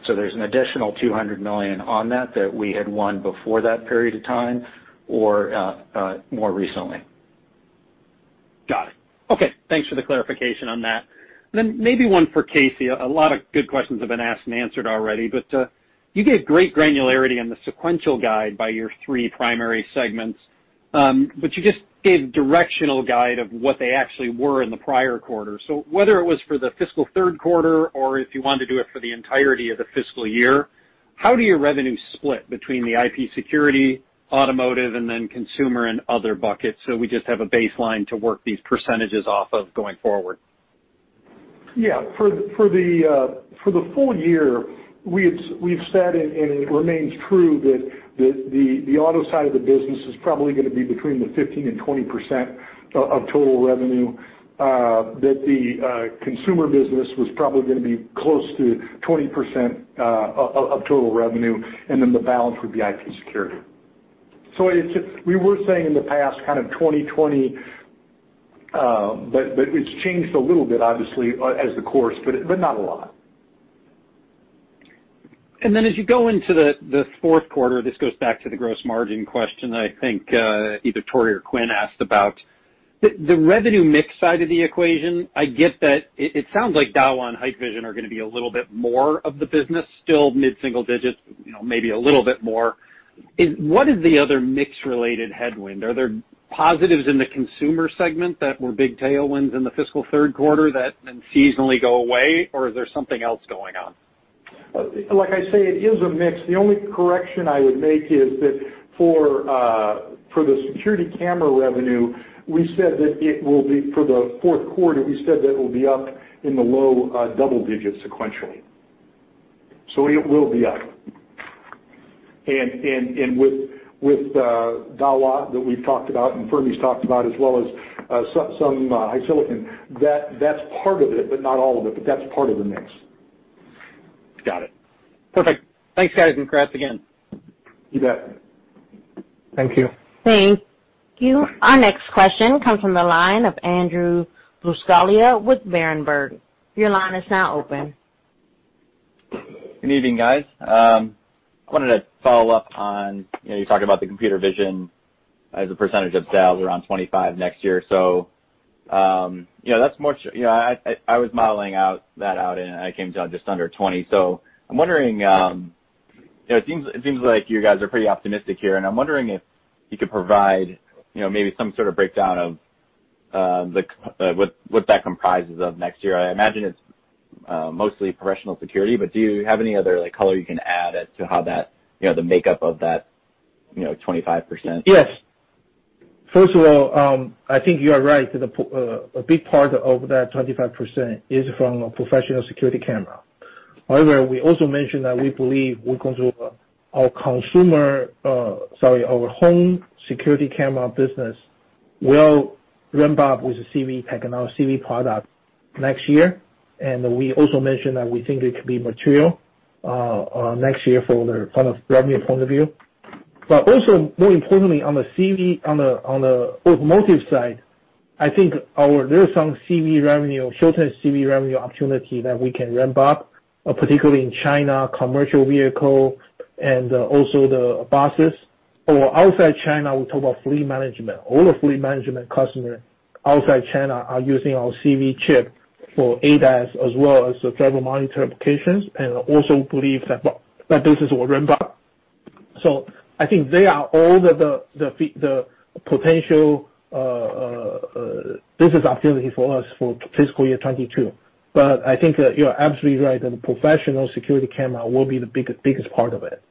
So there's an additional $200 million on that that we had won before that period of time or more recently. Got it. Okay. Thanks for the clarification on that. Then maybe one for Casey. A lot of good questions have been asked and answered already, but you gave great granularity in the sequential guide by your three primary segments, but you just gave directional guide of what they actually were in the prior quarter. So, whether it was for the fiscal third quarter or if you wanted to do it for the entirety of the fiscal year, how do your revenues split between the IP security, automotive, and then consumer and other buckets? So, we just have a baseline to work these percentages off of going forward. Yeah. For the full year, we've said and it remains true that the auto side of the business is probably going to be between 15%-20% of total revenue, that the consumer business was probably going to be close to 20% of total revenue, and then the balance would be IP security. So, we were saying in the past kind of 2020, but it's changed a little bit, obviously, of course, but not a lot. And then as you go into the fourth quarter, this goes back to the gross margin question that I think either Tore or Quinn asked about. The revenue mix side of the equation, I get that it sounds like Dahua and Hikvision are going to be a little bit more of the business, still mid-single digits, maybe a little bit more. What is the other mix-related headwind? Are there positives in the consumer segment that were big tailwinds in the fiscal third quarter that then seasonally go away, or is there something else going on? Like I say, it is a mix. The only correction I would make is that for the security camera revenue, we said that it will be for the fourth quarter, we said that it will be up in the low double digits sequentially. So it will be up. And with Dahua that we've talked about and Fermi's talked about, as well as some HiSilicon, that's part of it, but not all of it, but that's part of the mix. Got it. Perfect. Thanks, guys. And congrats again. You bet. Thank you. Thank you. Our next question comes from the line of Andrew Buscaglia with Berenberg. Your line is now open. Good evening, guys. I wanted to follow up on you talked about the computer vision as a percentage of sales around 25% next year. So that's more. I was modeling that out, and I came down just under 20%. So I'm wondering, it seems like you guys are pretty optimistic here, and I'm wondering if you could provide maybe some sort of breakdown of what that comprises of next year. I imagine it's mostly professional security, but do you have any other color you can add as to how the makeup of that 25%? Yes. First of all, I think you're right. A big part of that 25% is from professional security camera. However, we also mentioned that we believe we're going to our consumer, sorry, our home security camera business will ramp up with the CV technology, CV product next year. We also mentioned that we think it could be material next year from a revenue point of view. Also, more importantly, on the automotive side, I think there are some hidden CV revenue opportunities that we can ramp up, particularly in China, commercial vehicle and also the buses or outside China, we talk about fleet management. All the fleet management customers outside China are using our CV chip for ADAS as well as the driver monitor applications. We also believe that this is a ramp-up. I think they are all the potential business opportunities for us for fiscal year 2022. I think you're absolutely right that the professional security camera will be the biggest part of it.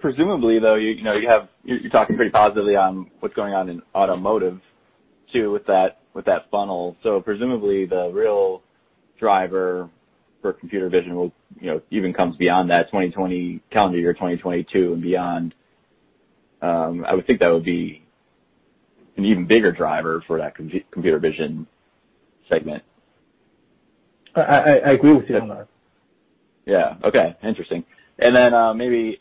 Presumably, though, you're talking pretty positively on what's going on in automotive too with that funnel. So presumably, the real driver for computer vision even comes beyond that calendar year 2022 and beyond. I would think that would be an even bigger driver for that computer vision segment. I agree with you on that. Yeah. Okay. Interesting. And then maybe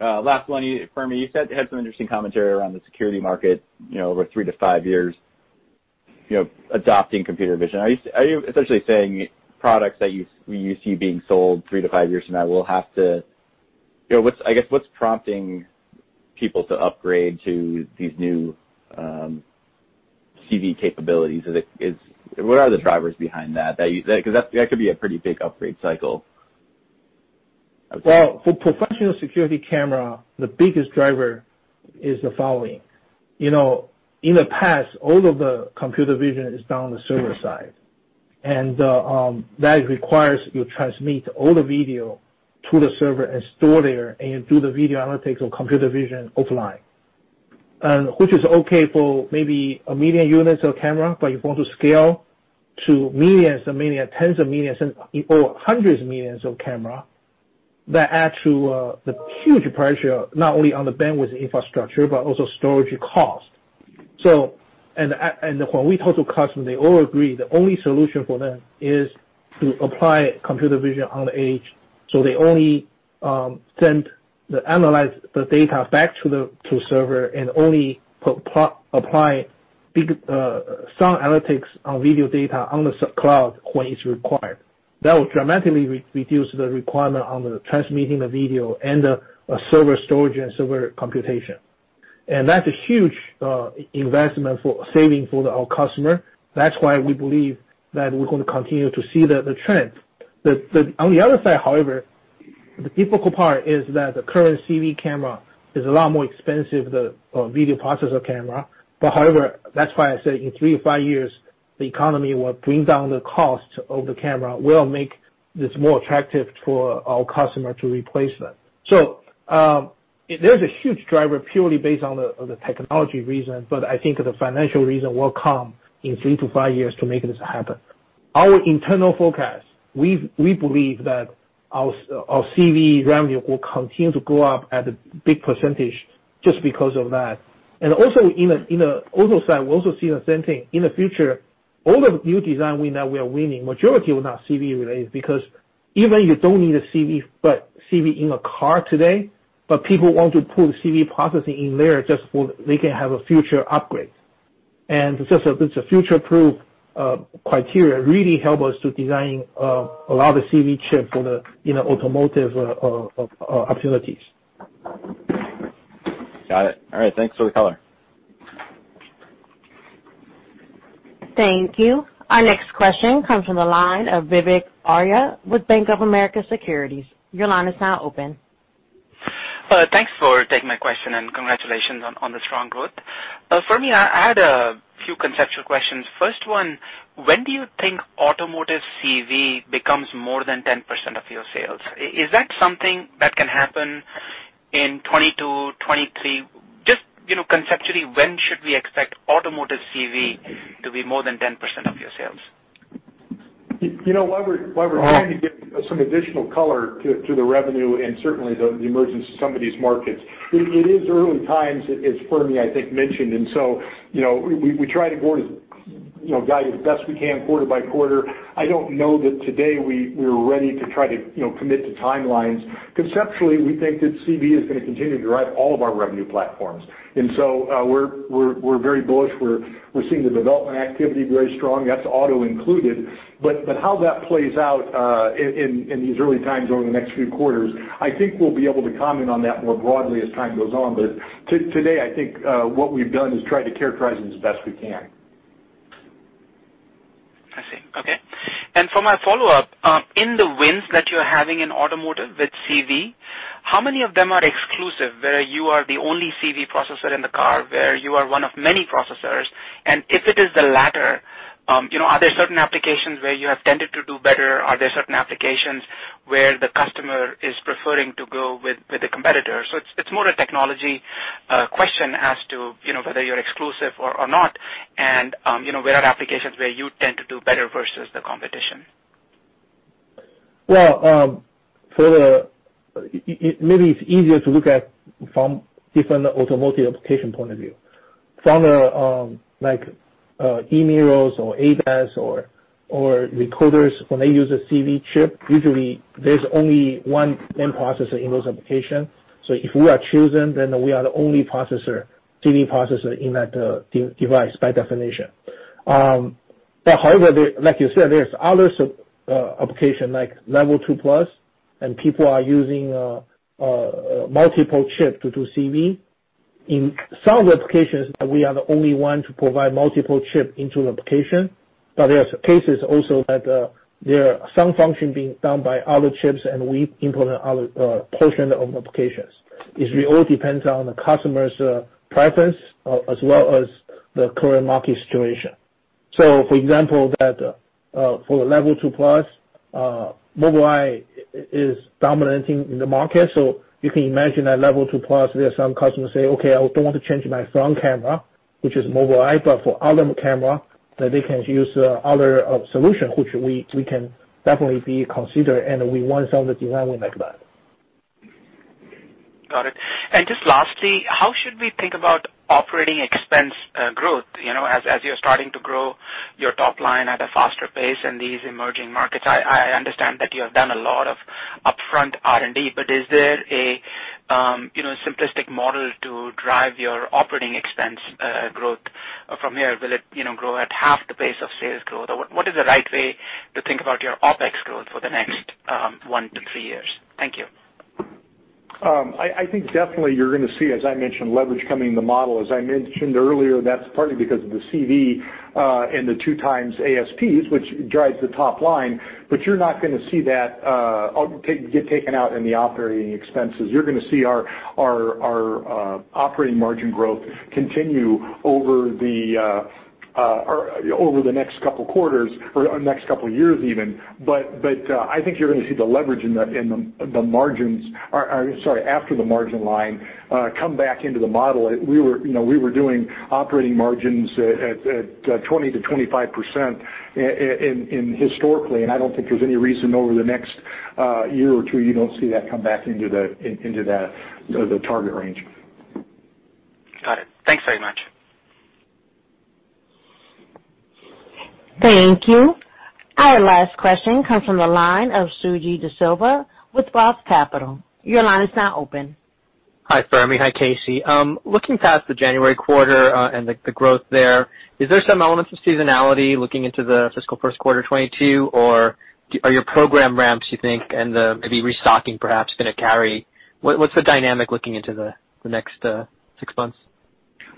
last one, Fermi, you had some interesting commentary around the security market over three to five years adopting computer vision. Are you essentially saying products that you see being sold three to five years from now will have to, I guess what's prompting people to upgrade to these new CV capabilities? What are the drivers behind that? Because that could be a pretty big upgrade cycle. Well, for professional security camera, the biggest driver is the following. In the past, all of the computer vision is done on the server side. That requires you transmit all the video to the server and store there, and you do the video analytics or computer vision offline, which is okay for maybe a million units of camera, but if you want to scale to millions and millions, tens of millions, or hundreds of millions of camera, that adds to the huge pressure not only on the bandwidth infrastructure but also storage cost. When we talk to customers, they all agree the only solution for them is to apply computer vision on the edge. They only analyze the data back to the server and only apply some analytics on video data on the cloud when it's required. That will dramatically reduce the requirement on transmitting the video and the server storage and server computation. That's a huge investment saving for our customer. That's why we believe that we're going to continue to see the trend. On the other side, however, the difficult part is that the current CV camera is a lot more expensive than video processor camera. But however, that's why I say in three to five years, the economy will bring down the cost of the camera. We'll make this more attractive for our customer to replace them. So there's a huge driver purely based on the technology reason, but I think the financial reason will come in three to five years to make this happen. Our internal forecast, we believe that our CV revenue will continue to go up at a big percentage just because of that. And also in the auto side, we also see the same thing. In the future, all of the new design wins that we are winning, majority will not be CV-related because even you don't need a CV in a car today, but people want to put CV processing in there just so they can have a future upgrade. And just the future-proof criteria really help us to design a lot of CV chips for the automotive opportunities. Got it. All right. Thanks for the color. Thank you. Our next question comes from the line of Vivek Arya with Bank of America Securities. Your line is now open. Thanks for taking my question and congratulations on the strong growth. Fermi, I had a few conceptual questions. First one, when do you think automotive CV becomes more than 10% of your sales? Is that something that can happen in 2022, 2023? Just conceptually, when should we expect automotive CV to be more than 10% of your sales? You know what? While we're trying to get some additional color to the revenue and certainly the emergence of some of these markets, it is early times, as Fermi, I think, mentioned. And so we try to guide as best we can quarter by quarter. I don't know that today we're ready to try to commit to timelines. Conceptually, we think that CV is going to continue to drive all of our revenue platforms. And so we're very bullish. We're seeing the development activity grow strong. That's auto included. But how that plays out in these early times over the next few quarters, I think we'll be able to comment on that more broadly as time goes on. But today, I think what we've done is try to characterize it as best we can. I see. Okay. And for my follow-up, in the wins that you're having in automotive with CV, how many of them are exclusive where you are the only CV processor in the car, where you are one of many processors? And if it is the latter, are there certain applications where you have tended to do better? Are there certain applications where the customer is preferring to go with the competitor? So it's more a technology question as to whether you're exclusive or not. And what are applications where you tend to do better versus the competition? Maybe it's easier to look at from different automotive application point of view. From e-mirrors or ADAS or recorders, when they use a CV chip, usually there's only one processor in those applications. So if we are chosen, then we are the only CV processor in that device by definition. But however, like you said, there's other applications like Level 2+, and people are using multiple chips to do CV. In some of the applications, we are the only one to provide multiple chips into the application. But there are cases also that there are some functions being done by other chips, and we implement other portions of applications. It all depends on the customer's preference as well as the current market situation. So, for example, for the Level 2+, Mobileye is dominating the market. So you can imagine at Level 2+, there are some customers say, "Okay, I don't want to change my front camera, which is Mobileye," but for other camera, they can use other solutions, which we can definitely be considered, and we want some of the design wins like that. Got it. Just lastly, how should we think about operating expense growth as you're starting to grow your top line at a faster pace in these emerging markets? I understand that you have done a lot of upfront R&D, but is there a simplistic model to drive your operating expense growth from here? Will it grow at half the pace of sales growth? Or what is the right way to think about your OPEX growth for the next one to three years? Thank you. I think definitely you're going to see, as I mentioned, leverage coming in the model. As I mentioned earlier, that's partly because of the CV and the two times ASPs, which drives the top line. But you're not going to see that get taken out in the operating expenses. You're going to see our operating margin growth continue over the next couple of quarters or next couple of years even. But I think you're going to see the leverage in the margins, sorry, after the margin line, come back into the model. We were doing operating margins at 20%-25% historically, and I don't think there's any reason over the next year or two you don't see that come back into that target range. Got it. Thanks very much. Thank you. Our last question comes from the line of Suji Desilva with Roth Capital. Your line is now open. Hi, Fermi. Hi, Casey. Looking past the January quarter and the growth there, is there some element of seasonality looking into the fiscal first quarter 2022, or are your program ramps, you think, and maybe restocking perhaps going to carry? What's the dynamic looking into the next six months?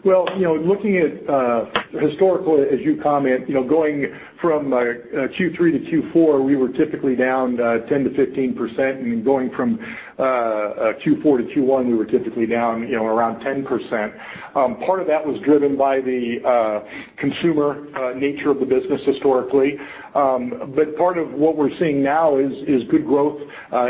Looking at historically, as you comment, going from Q3 to Q4, we were typically down 10%-15%. Going from Q4 to Q1, we were typically down around 10%. Part of that was driven by the consumer nature of the business historically. Part of what we're seeing now is good growth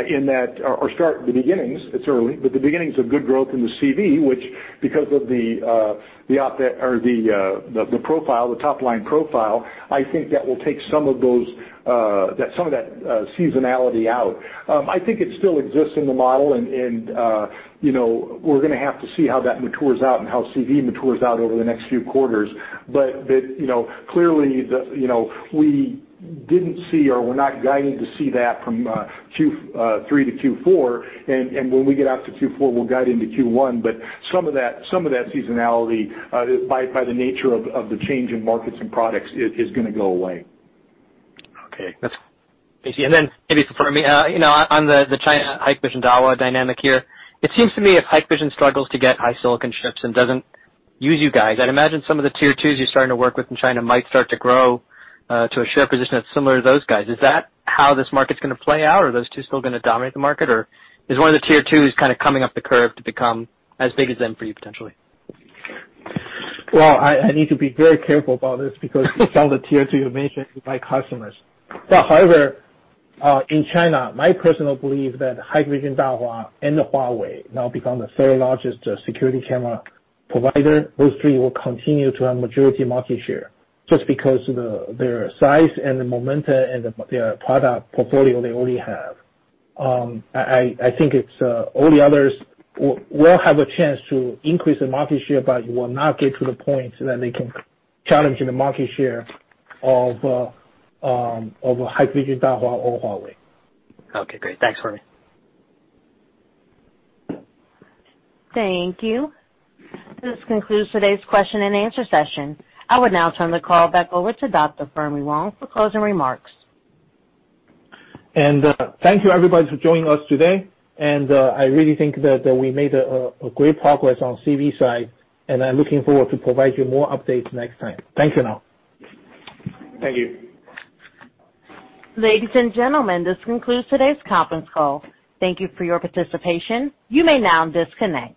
in that, or the beginnings, it's early, but the beginnings of good growth in the CV, which, because of the profile, the top line profile, I think that will take some of that seasonality out. I think it still exists in the model, and we're going to have to see how that matures out and how CV matures out over the next few quarters. Clearly, we didn't see or we're not guided to see that from Q3 to Q4. When we get out to Q4, we'll guide into Q1. But some of that seasonality, by the nature of the change in markets and products, is going to go away. Okay. Thanks. And then maybe for Fermi, on the China HiSilicon Dahua dynamic here, it seems to me if HiSilicon struggles to get HiSilicon chips and doesn't use you guys, I'd imagine some of the tier twos you're starting to work with in China might start to grow to a share position that's similar to those guys. Is that how this market's going to play out, or are those two still going to dominate the market, or is one of the tier twos kind of coming up the curve to become as big as them for you potentially? Well, I need to be very careful about this because some of the tier two you mentioned by customers. But however, in China, my personal belief that Hikvision, Dahua and Huawei now become the third largest security camera provider, those three will continue to have majority market share just because of their size and the momentum and their product portfolio they already have. I think all the others will have a chance to increase the market share, but will not get to the point that they can challenge the market share of Hikvision, Dahua or Huawei. Okay. Great. Thanks, Fermi. Thank you. This concludes today's question and answer session. I will now turn the call back over to Dr. Fermi Wang for closing remarks. And thank you, everybody, for joining us today. And I really think that we made great progress on CV side, and I'm looking forward to provide you more updates next time. Thank you now. Thank you. Ladies and gentlemen, this concludes today's conference call. Thank you for your participation. You may now disconnect.